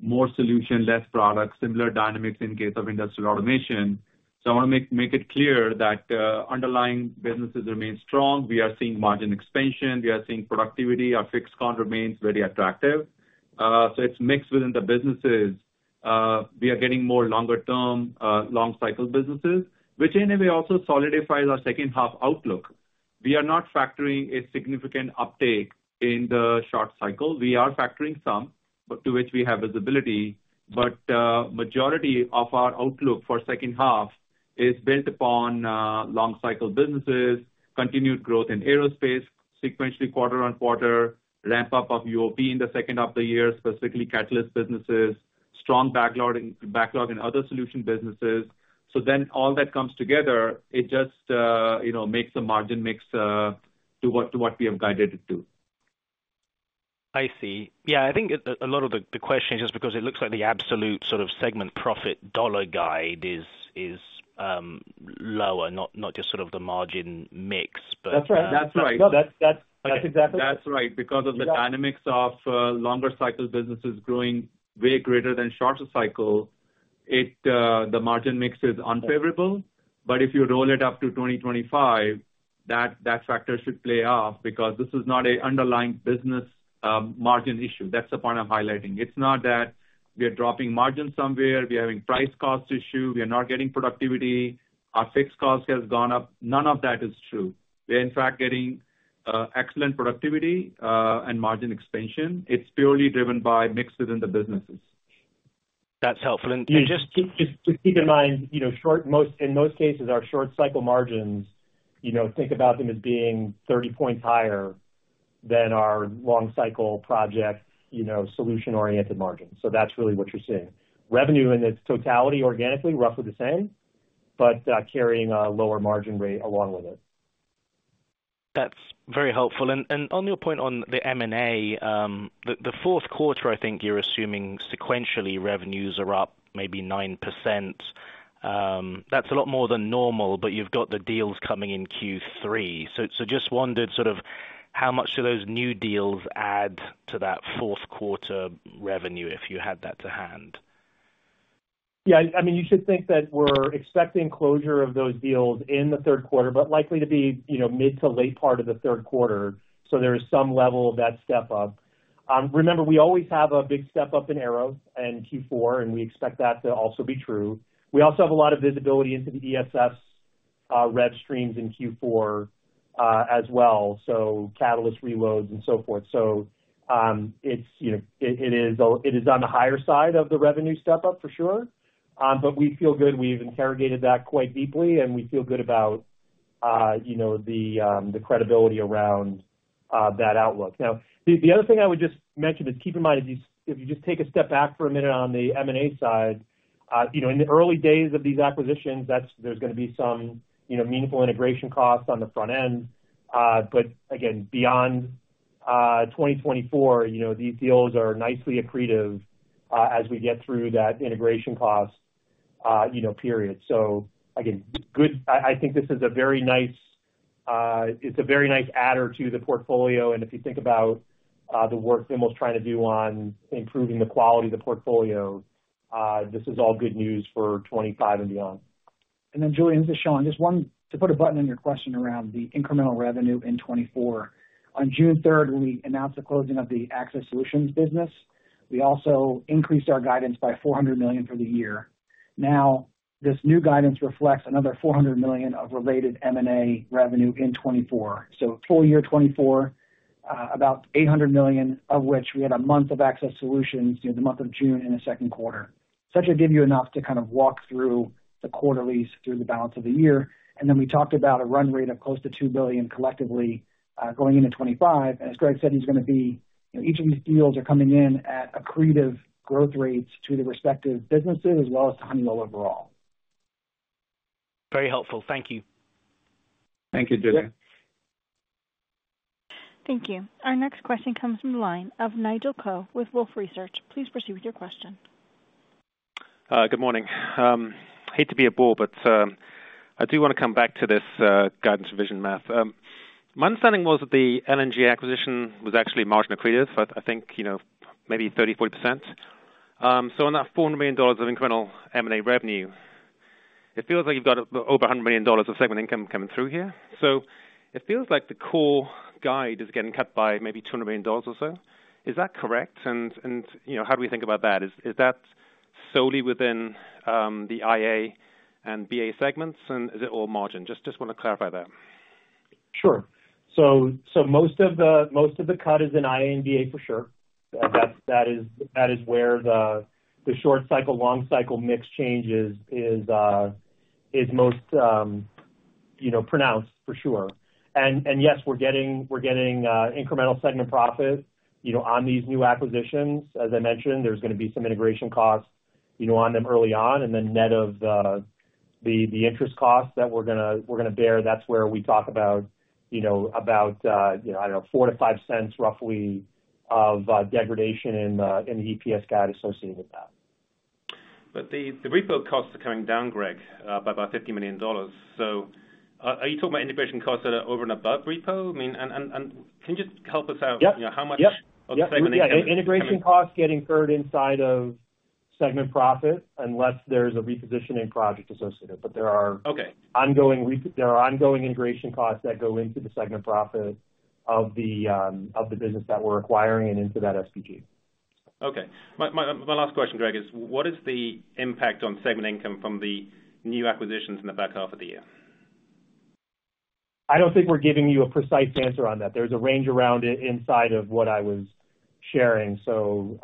more solution, less product, similar dynamics in case of Industrial Automation. So I want to make it clear that underlying businesses remain strong. We are seeing margin expansion. We are seeing productivity. Our fixed cost remains very attractive. So it's mixed within the businesses. We are getting more longer-term, long-cycle businesses, which in a way also solidifies our second-half outlook. We are not factoring a significant uptake in the short-cycle. We are factoring some, to which we have visibility. But majority of our outlook for second half is built upon long-cycle businesses, continued growth in Aerospace, sequentially quarter-over-quarter, ramp-up of UOP in the second half of the year, specifically catalyst businesses, strong backlog, and other solution businesses. So then all that comes together, it just makes a margin mix to what we have guided it to. I see. Yeah. I think a lot of the question is just because it looks like the absolute sort of segment profit dollar guide is lower, not just sort of the margin mix, but. That's right. That's right. That's exactly. That's right. Because of the dynamics of longer-cycle businesses growing way greater than shorter cycle, the margin mix is unfavorable. But if you roll it up to 2025, that factor should play off because this is not an underlying business margin issue. That's the point I'm highlighting. It's not that we are dropping margin somewhere. We are having price cost issue. We are not getting productivity. Our fixed cost has gone up. None of that is true. We are, in fact, getting excellent productivity and margin expansion. It's purely driven by mix within the businesses. That's helpful. Just keep in mind, in most cases, our short-cycle margins, think about them as being 30 points higher than our long-cycle project solution-oriented margins. So that's really what you're seeing. Revenue in its totality, organically, roughly the same, but carrying a lower margin rate along with it. That's very helpful. On your point on the M&A, the fourth quarter, I think you're assuming sequentially revenues are up maybe 9%. That's a lot more than normal, but you've got the deals coming in Q3. So just wondered sort of how much do those new deals add to that fourth quarter revenue if you had that to hand? Yeah. I mean, you should think that we're expecting closure of those deals in the third quarter, but likely to be mid to late part of the third quarter. So there is some level of that step up. Remember, we always have a big step up in Aero and Q4, and we expect that to also be true. We also have a lot of visibility into the ESS rev streams in Q4 as well, so catalyst reloads and so forth. So it is on the higher side of the revenue step up for sure. But we feel good. We've interrogated that quite deeply, and we feel good about the credibility around that outlook. Now, the other thing I would just mention is keep in mind, if you just take a step back for a minute on the M&A side, in the early days of these acquisitions, there's going to be some meaningful integration costs on the front end. But again, beyond 2024, these deals are nicely accretive as we get through that integration cost period. So again, I think this is a very nice it's a very nice add-on to the portfolio. And if you think about the work Vimal's trying to do on improving the quality of the portfolio, this is all good news for 2025 and beyond. And then, Julian, this is Sean. Just wanted to put a button on your question around the incremental revenue in 2024. On June 3rd, we announced the closing of the Access Solutions business. We also increased our guidance by $400 million for the year. Now, this new guidance reflects another $400 million of related M&A revenue in 2024. So full year 2024, about $800 million, of which we had a month of Access Solutions, the month of June in the second quarter. So I should give you enough to kind of walk through the quarterlies through the balance of the year. And then we talked about a run rate of close to $2 billion collectively going into 2025. And as Greg said, he's going to be each of these deals are coming in at accretive growth rates to the respective businesses as well as to Honeywell overall. Very helpful. Thank you. Thank you, Julian. Thank you. Our next question comes from the line of Nigel Coe with Wolfe Research. Please proceed with your question. Good morning. Hate to be a bore but I do want to come back to this guidance revision math. My understanding was that the LNG acquisition was actually margin accretive, I think maybe 30%-40%. So on that $4 million of incremental M&A revenue, it feels like you've got over $100 million of segment income coming through here. So it feels like the core guide is getting cut by maybe $200 million or so. Is that correct? And how do we think about that? Is that solely within the IA and BA segments? And is it all margin? Just want to clarify that. Sure. So most of the cut is in IA and BA for sure. That is where the short cycle, long cycle mix changes is most pronounced for sure. And yes, we're getting incremental segment profit on these new acquisitions. As I mentioned, there's going to be some integration costs on them early on. And then net of the interest costs that we're going to bear, that's where we talk about, I don't know, $0.04-$0.05 roughly of degradation in the EPS guide associated with that. But the repo costs are coming down, Greg, by about $50 million. So are you talking about integration costs that are over and above repo? I mean, and can you just help us out? How much of the segment income? Yeah. Integration costs getting incurred inside of segment profit unless there's a repositioning project associated. But there are ongoing integration costs that go into the segment profit of the business that we're acquiring and into that SBG. Okay. My last question, Greg, is what is the impact on segment income from the new acquisitions in the back half of the year? I don't think we're giving you a precise answer on that. There's a range around it inside of what I was sharing. So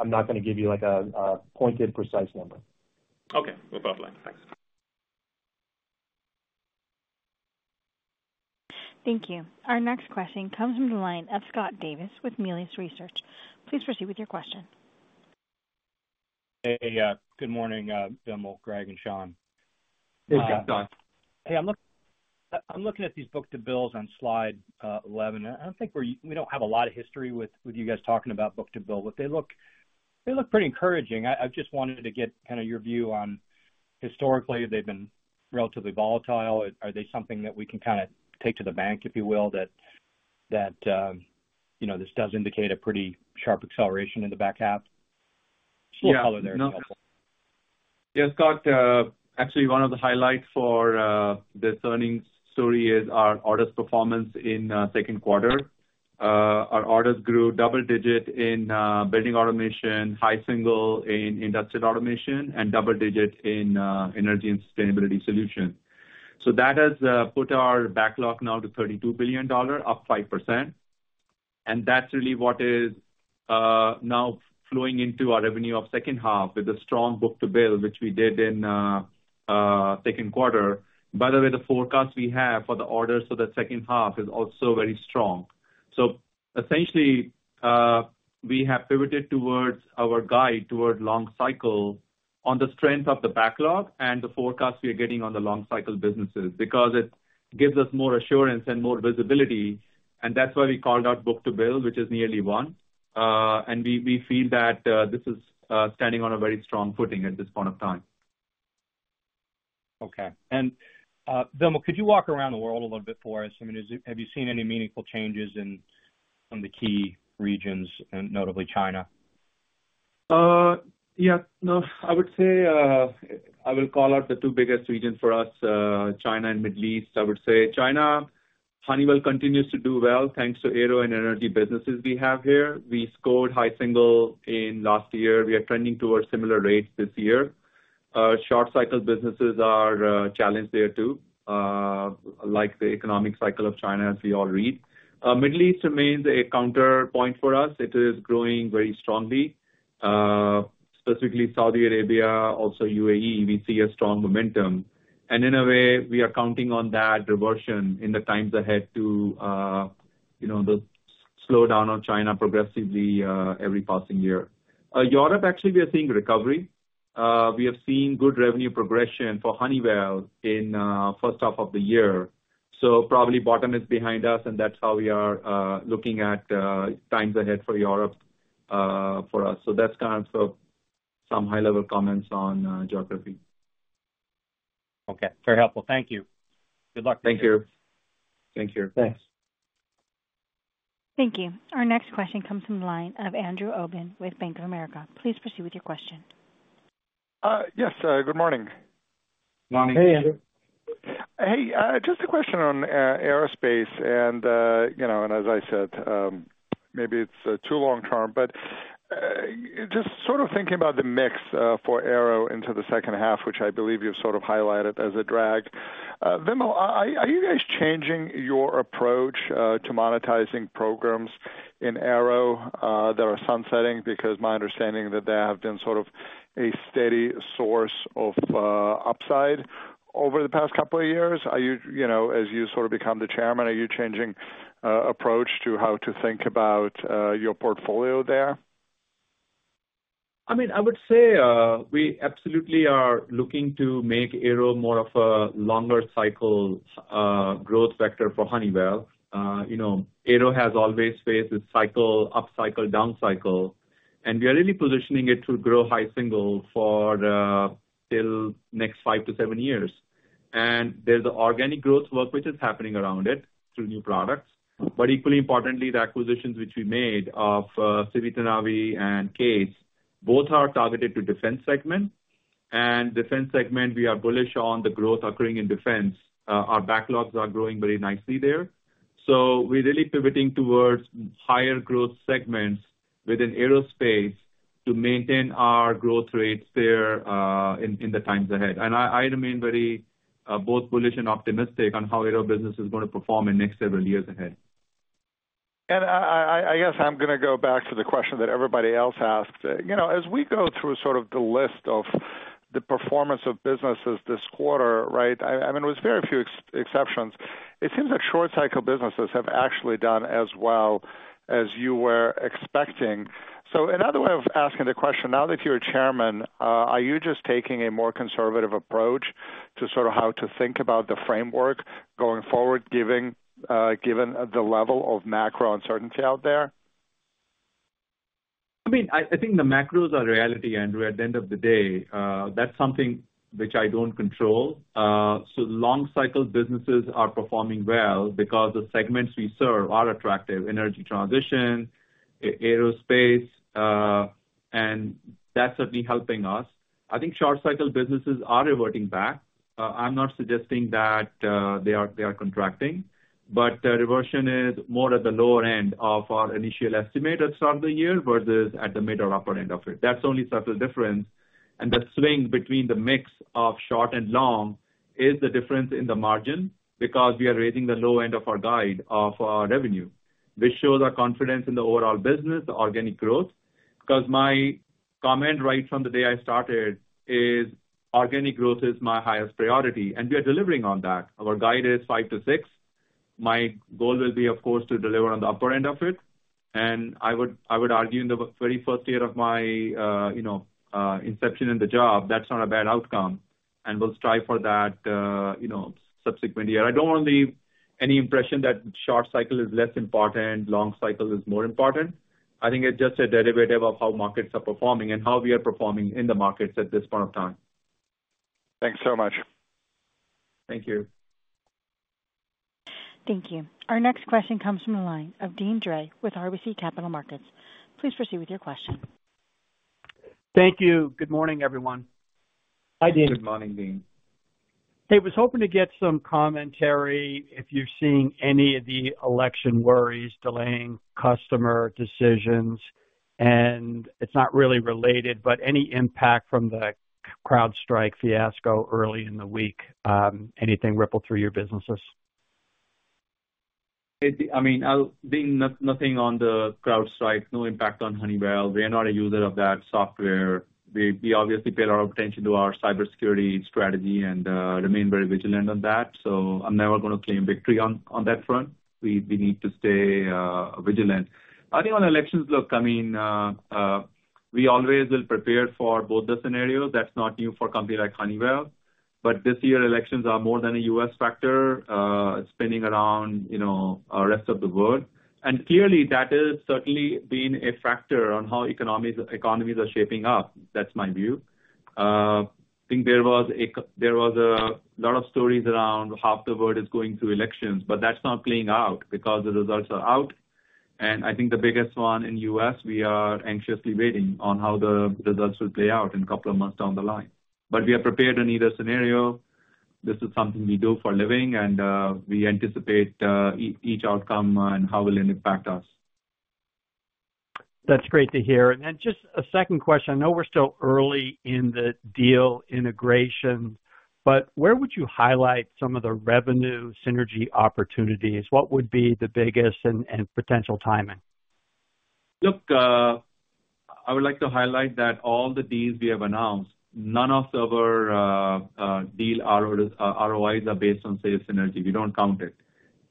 I'm not going to give you a pointed precise number. Okay. We'll model it. Thanks. Thank you. Our next question comes from the line of Scott Davis with Melius Research. Please proceed with your question. Hey. Good morning, Vimal, Greg, and Sean. Hey, Scott. Hey, I'm looking at these book-to-bills on slide 11. I don't think we don't have a lot of history with you guys talking about book-to-bill, but they look pretty encouraging. I just wanted to get kind of your view on historically, they've been relatively volatile. Are they something that we can kind of take to the bank, if you will, that this does indicate a pretty sharp acceleration in the back half? Small color there. It's helpful. Yeah. Scott, actually, one of the highlights for this earnings story is our orders performance in second quarter. Our orders grew double-digit in Building Automation, high single in Industrial Automation, and double-digit in Energy and Sustainability Solutions. So that has put our backlog now to $32 billion, up 5%. And that's really what is now flowing into our revenue of second half with a strong book-to-bill, which we did in second quarter. By the way, the forecast we have for the orders for the second half is also very strong. So essentially, we have pivoted towards our guide toward long cycle on the strength of the backlog and the forecast we are getting on the long cycle businesses because it gives us more assurance and more visibility. And that's why we called out book-to-bill, which is nearly one. And we feel that this is standing on a very strong footing at this point of time. Okay. And Vimal, could you walk around the world a little bit for us? I mean, have you seen any meaningful changes in some of the key regions, notably China? Yeah. No. I would say I will call out the two biggest regions for us, China and Middle East, I would say. China, Honeywell continues to do well thanks to Aero and energy businesses we have here. We scored high single in last year. We are trending towards similar rates this year. Short-cycle businesses are challenged there too, like the economic cycle of China, as we all read. Middle East remains a counterpoint for us. It is growing very strongly, specifically Saudi Arabia, also UAE. We see a strong momentum. And in a way, we are counting on that reversion in the times ahead to the slowdown of China progressively every passing year. Europe, actually, we are seeing recovery. We have seen good revenue progression for Honeywell in the first half of the year. So probably bottom is behind us, and that's how we are looking at times ahead for Europe for us. So that's kind of some high-level comments on geography. Okay. Very helpful. Thank you. Good luck. Thank you. Thank you. Thanks. Thank you. Our next question comes from the line of Andrew Obin with Bank of America. Please proceed with your question. Yes. Good morning. Morning. Hey, Andrew. Hey. Just a question on Aerospace. As I said, maybe it's too long-term, but just sort of thinking about the mix for Aero into the second half, which I believe you've sort of highlighted as a drag. Vimal, are you guys changing your approach to monetizing programs in Aero that are sunsetting? Because my understanding is that they have been sort of a steady source of upside over the past couple of years. As you sort of become the chairman, are you changing approach to how to think about your portfolio there? I mean, I would say we absolutely are looking to make Aero more of a longer cycle growth vector for Honeywell. Aero has always faced its cycle, up cycle, down cycle. We are really positioning it to grow high single for till next five to seven years. There's the organic growth work which is happening around it through new products. But equally importantly, the acquisitions which we made of Civitanavi and CAES both are targeted to defense segment. Defense segment, we are bullish on the growth occurring in defense. Our backlogs are growing very nicely there. We're really pivoting towards higher growth segments within Aerospace to maintain our growth rates there in the times ahead. I remain very both bullish and optimistic on how Aero business is going to perform in the next several years ahead. I guess I'm going to go back to the question that everybody else asked. As we go through sort of the list of the performance of businesses this quarter, right? I mean, with very few exceptions, it seems that short cycle businesses have actually done as well as you were expecting. So in other way of asking the question, now that you're a chairman, are you just taking a more conservative approach to sort of how to think about the framework going forward, given the level of macro uncertainty out there? I mean, I think the macros are reality, Andrew. At the end of the day, that's something which I don't control. So long cycle businesses are performing well because the segments we serve are attractive: energy transition, Aerospace, and that's certainly helping us. I think short cycle businesses are reverting back. I'm not suggesting that they are contracting, but the reversion is more at the lower end of our initial estimate at the start of the year versus at the mid or upper end of it. That's the only subtle difference. The swing between the mix of short and long is the difference in the margin because we are raising the low end of our guide of revenue, which shows our confidence in the overall business, the organic growth. Because my comment right from the day I started is organic growth is my highest priority. And we are delivering on that. Our guide is five to six. My goal will be, of course, to deliver on the upper end of it. And I would argue in the very first year of my inception in the job, that's not a bad outcome. And we'll strive for that subsequent year. I don't want to leave any impression that short cycle is less important, long cycle is more important. I think it's just a derivative of how markets are performing and how we are performing in the markets at this point of time. Thanks so much. Thank you. Thank you. Our next question comes from the line of Deane Dray with RBC Capital Markets. Please proceed with your question. Thank you. Good morning, everyone. Hi, Deane. Good morning, Deane. Hey, I was hoping to get some commentary if you're seeing any of the election worries delaying customer decisions. And it's not really related, but any impact from the CrowdStrike fiasco early in the week? Anything ripple through your businesses? I mean, Deane, nothing on the CrowdStrike. No impact on Honeywell. We are not a user of that software. We obviously pay a lot of attention to our cybersecurity strategy and remain very vigilant on that. So I'm never going to claim victory on that front. We need to stay vigilant. I think on elections, look, I mean, we always will prepare for both the scenarios. That's not new for a company like Honeywell. But this year, elections are more than a U.S. factor, spinning around the rest of the world. And clearly, that has certainly been a factor on how economies are shaping up. That's my view. I think there was a lot of stories around how the world is going through elections, but that's not playing out because the results are out. And I think the biggest one in the U.S., we are anxiously waiting on how the results will play out in a couple of months down the line. But we are prepared in either scenario. This is something we do for a living, and we anticipate each outcome and how it will impact us. That's great to hear. And then just a second question. I know we're still early in the deal integration, but where would you highlight some of the revenue synergy opportunities? What would be the biggest and potential timing? Look, I would like to highlight that all the deals we have announced, none of our deal ROIs are based on, say, synergy. We don't count it.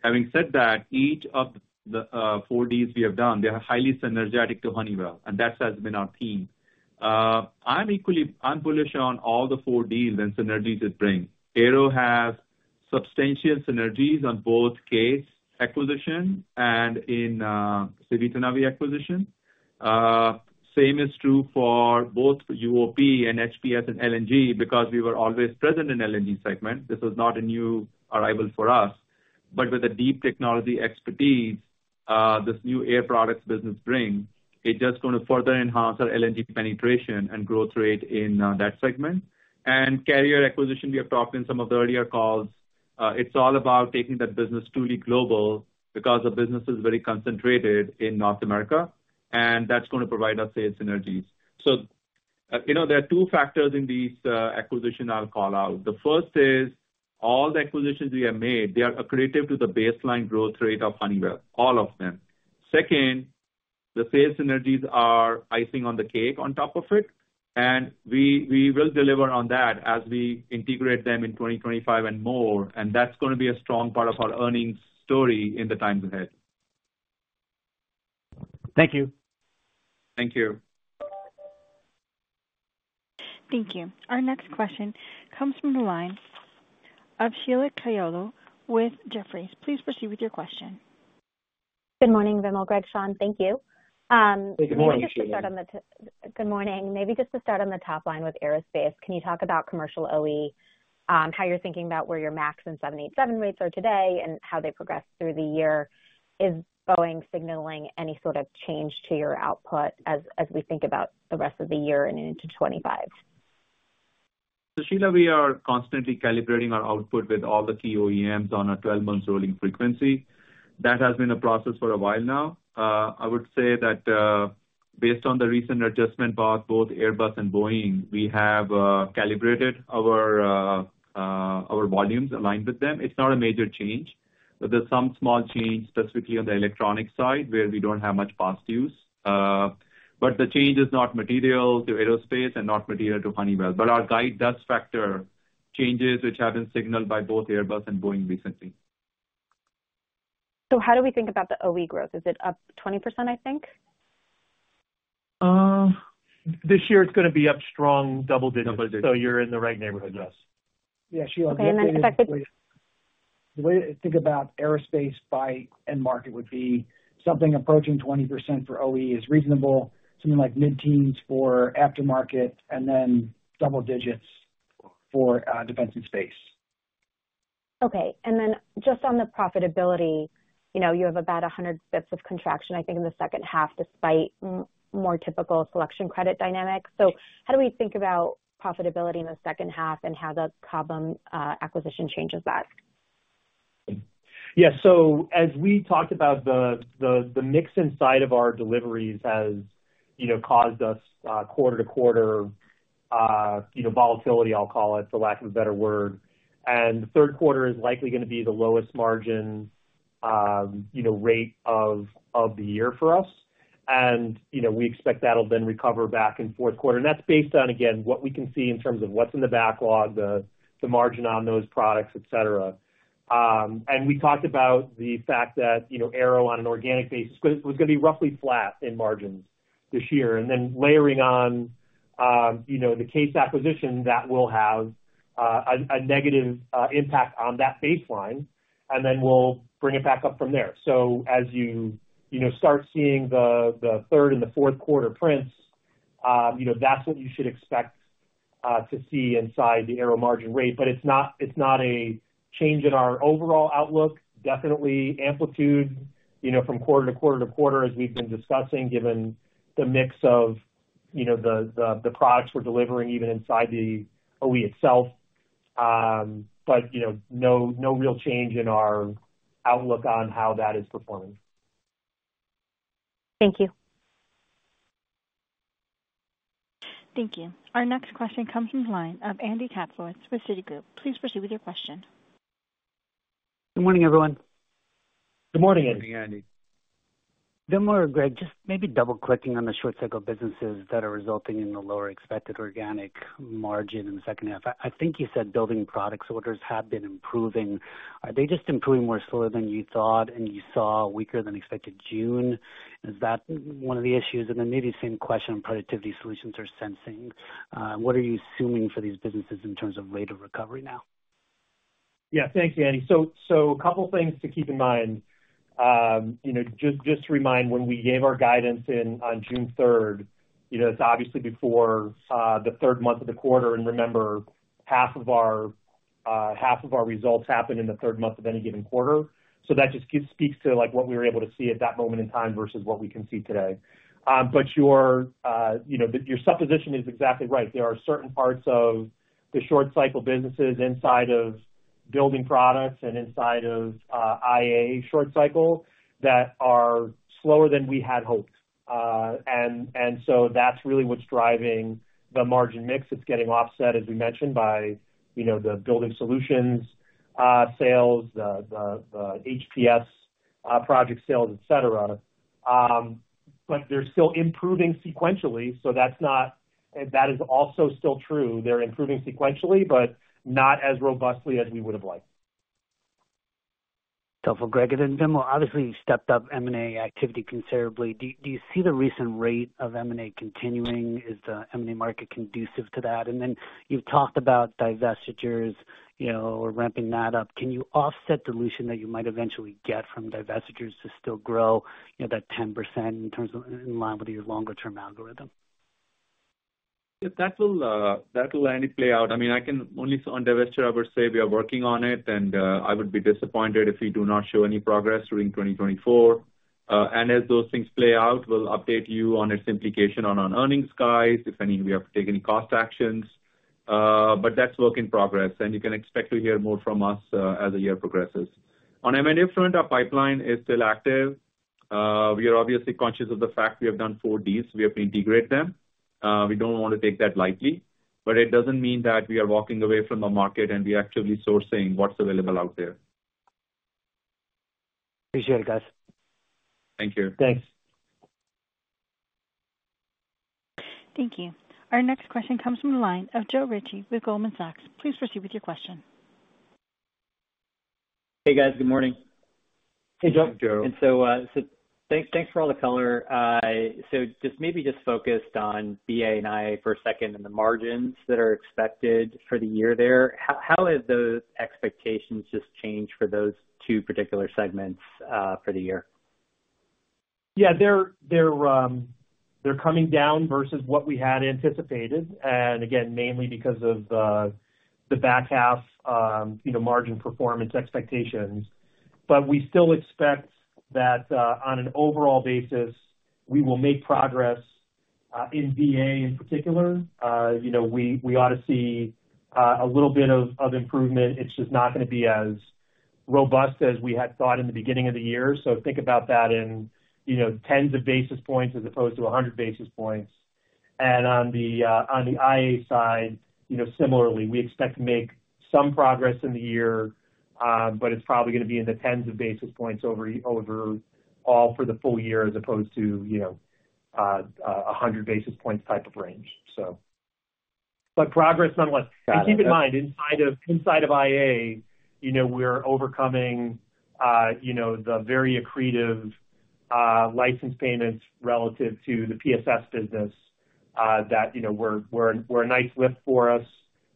Having said that, each of the four deals we have done, they are highly synergetic to Honeywell, and that has been our theme. I'm bullish on all the four deals and synergies it brings. Aero has substantial synergies on both CAES acquisition and in Civitanavi acquisition. Same is true for both UOP and HPS and LNG because we were always present in LNG segment. This was not a new arrival for us. But with the deep technology expertise this new Air Products business brings, it's just going to further enhance our LNG penetration and growth rate in that segment. And Carrier acquisition, we have talked in some of the earlier calls. It's all about taking that business truly global because the business is very concentrated in North America, and that's going to provide us, say, synergies. So there are two factors in these acquisitions I'll call out. The first is all the acquisitions we have made, they are accretive to the baseline growth rate of Honeywell, all of them. Second, the sales synergies are icing on the cake on top of it. And we will deliver on that as we integrate them in 2025 and more. And that's going to be a strong part of our earnings story in the times ahead. Thank you. Thank you. Thank you. Our next question comes from the line of Sheila Kahyaoglu with Jefferies. Please proceed with your question. Good morning, Vimal, Greg, Sean. Thank you. Hey, good morning. Good morning Sheila. Maybe just to start on the top line with Aerospace, can you talk about commercial OE, how you're thinking about where your MAX and 787 rates are today and how they progress through the year? Is Boeing signaling any sort of change to your output as we think about the rest of the year and into 2025? So Sheila, we are constantly calibrating our output with all the key OEMs on a 12-month rolling frequency. That has been a process for a while now. I would say that based on the recent adjustment by both Airbus and Boeing, we have calibrated our volumes aligned with them. It's not a major change. There's some small change specifically on the electronic side where we don't have much past use. But the change is not material to Aerospace and not material to Honeywell. But our guide does factor changes which have been signaled by both Airbus and Boeing recently. So how do we think about the OE growth? Is it up 20%, I think? This year, it's going to be up strong, double-digit. So you're in the right neighborhood, yes. Yeah. Sheila. <crosstalk> The way to think about Aerospace by end market would be something approaching 20% for OE is reasonable, something like mid-teens for aftermarket, and then double digits for Defense and Space. Okay. And then just on the profitability, you have about 100 basis points of contraction, I think, in the second half despite more typical seasonal credit dynamics. So how do we think about profitability in the second half and how the Cobham acquisition changes that? Yeah. So as we talked about, the mix inside of our deliveries has caused us quarter-to-quarter volatility, I'll call it, for lack of a better word. And the third quarter is likely going to be the lowest margin rate of the year for us. And we expect that'll then recover back in fourth quarter. And that's based on, again, what we can see in terms of what's in the backlog, the margin on those products, etc. And we talked about the fact that Aero, on an organic basis, was going to be roughly flat in margins this year. And then layering on the CAES acquisition, that will have a negative impact on that baseline, and then we'll bring it back up from there. So as you start seeing the third and the fourth quarter prints, that's what you should expect to see inside the Aero margin rate. But it's not a change in our overall outlook. Definitely amplitude from quarter to quarter to quarter, as we've been discussing, given the mix of the products we're delivering even inside the OE itself. But no real change in our outlook on how that is performing. Thank you. Thank you. Our next question comes from the line of Andy Kaplowitz with Citigroup. Please proceed with your question. Good morning, everyone. Good morning, Andy. Good morning, Andy. Vimal or Greg, just maybe double-clicking on the short cycle businesses that are resulting in the lower expected organic margin in the second half. I think you said Building Products orders have been improving. Are they just improving more slower than you thought and you saw weaker than expected June? Is that one of the issues? And then maybe the same question on Productivity Solutions or Sensing. What are you assuming for these businesses in terms of rate of recovery now? Yeah. Thanks, Andy. So a couple of things to keep in mind. Just to remind, when we gave our guidance on June 3rd, it's obviously before the third month of the quarter. And remember, half of our results happen in the third month of any given quarter. So that just speaks to what we were able to see at that moment in time versus what we can see today. But your supposition is exactly right. There are certain parts of the short cycle businesses inside of Building Products and inside of IA short cycle that are slower than we had hoped. And so that's really what's driving the margin mix. It's getting offset, as we mentioned, by the Building Solutions sales, the HPS project sales, etc. But they're still improving sequentially. So that is also still true. They're improving sequentially, but not as robustly as we would have liked. So for Greg and then Vimal, obviously, you stepped up M&A activity considerably. Do you see the recent rate of M&A continuing? Is the M&A market conducive to that? And then you've talked about divestitures or ramping that up. Can you offset the dilution that you might eventually get from divestitures to still grow that 10% in terms of in line with your longer-term algorithm? That will, Andy, play out. I mean, I can only on divestiture, I would say we are working on it, and I would be disappointed if we do not show any progress during 2024. And as those things play out, we'll update you on its implication on our earnings guidance, if any we have to take any cost actions. But that's work in progress, and you can expect to hear more from us as the year progresses. On M&A front, our pipeline is still active. We are obviously conscious of the fact we have done four deals. We have to integrate them. We don't want to take that lightly. But it doesn't mean that we are walking away from the market and we're actively sourcing what's available out there. Appreciate it, guys. Thank you. Thanks. Thank you. Our next question comes from the line of Joe Ritchie with Goldman Sachs. Please proceed with your question. Hey, guys. Good morning. Hey, Joe. And so thanks for all the color. So maybe just focused on BA and IA for a second and the margins that are expected for the year there. How have those expectations just changed for those two particular segments for the year? Yeah. They're coming down versus what we had anticipated, and again, mainly because of the back half margin performance expectations. But we still expect that on an overall basis, we will make progress in BA in particular. We ought to see a little bit of improvement. It's just not going to be as robust as we had thought in the beginning of the year. So think about that in tens of basis points as opposed to 100 basis points. And on the IA side, similarly, we expect to make some progress in the year, but it's probably going to be in the tens of basis points overall for the full year as opposed to 100 basis points type of range, so. But progress nonetheless. And keep in mind, inside of IA, we're overcoming the very accretive license payments relative to the PSS business. That were a nice lift for us,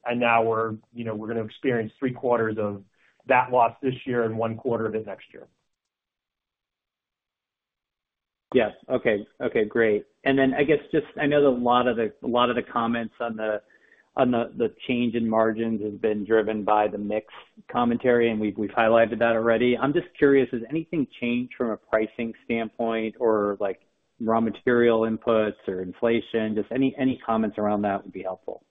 and now we're going to experience three quarters of that loss this year and one quarter of it next year. Yeah. Okay. Okay. Great. And then I guess just I know a lot of the comments on the change in margins has been driven by the mix commentary, and we've highlighted that already. I'm just curious, has anything changed from a pricing standpoint or raw material inputs or inflation? Just any comments around that would be helpful.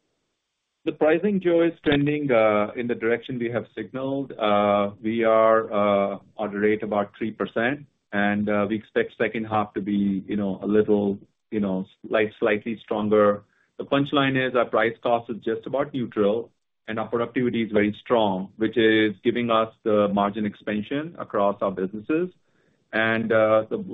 The pricing, Joe, is trending in the direction we have signaled. We are at a rate about 3%, and we expect second half to be a little slightly stronger. The punchline is our price cost is just about neutral, and our productivity is very strong, which is giving us the margin expansion across our businesses. As I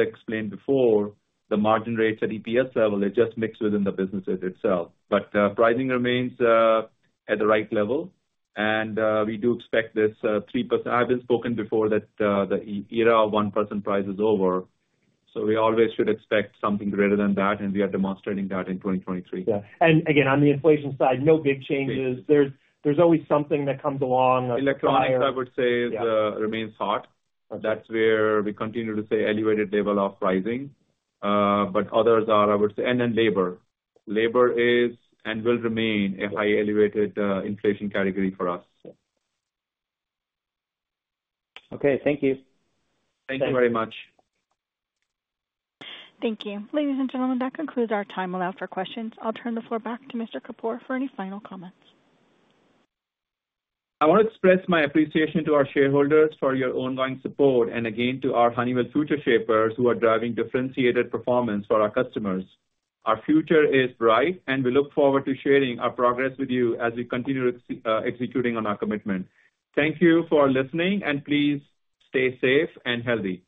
explained before, the margin rates at EPS level, they're just mixed within the businesses itself. But pricing remains at the right level, and we do expect this 3%. I've spoken before that the era of 1% price is over. So we always should expect something greater than that, and we are demonstrating that in 2023. Yeah. And again, on the inflation side, no big changes. There's always something that comes along. Electronics, I would say, remains hot. That's where we continue to see elevated level of pricing. But others are, I would say, and then labor. Labor is and will remain a highly elevated inflation category for us. Okay. Thank you. Thank you very much. Thank you. Ladies and gentlemen, that concludes our time allowed for questions. I'll turn the floor back to Mr. Kapur for any final comments. I want to express my appreciation to our shareholders for your ongoing support and, again, to our Honeywell Futureshapers who are driving differentiated performance for our customers. Our future is bright, and we look forward to sharing our progress with you as we continue executing on our commitment. Thank you for listening, and please stay safe and healthy.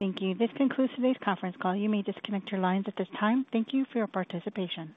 Thank you. This concludes today's conference call. You may disconnect your lines at this time. Thank you for your participation.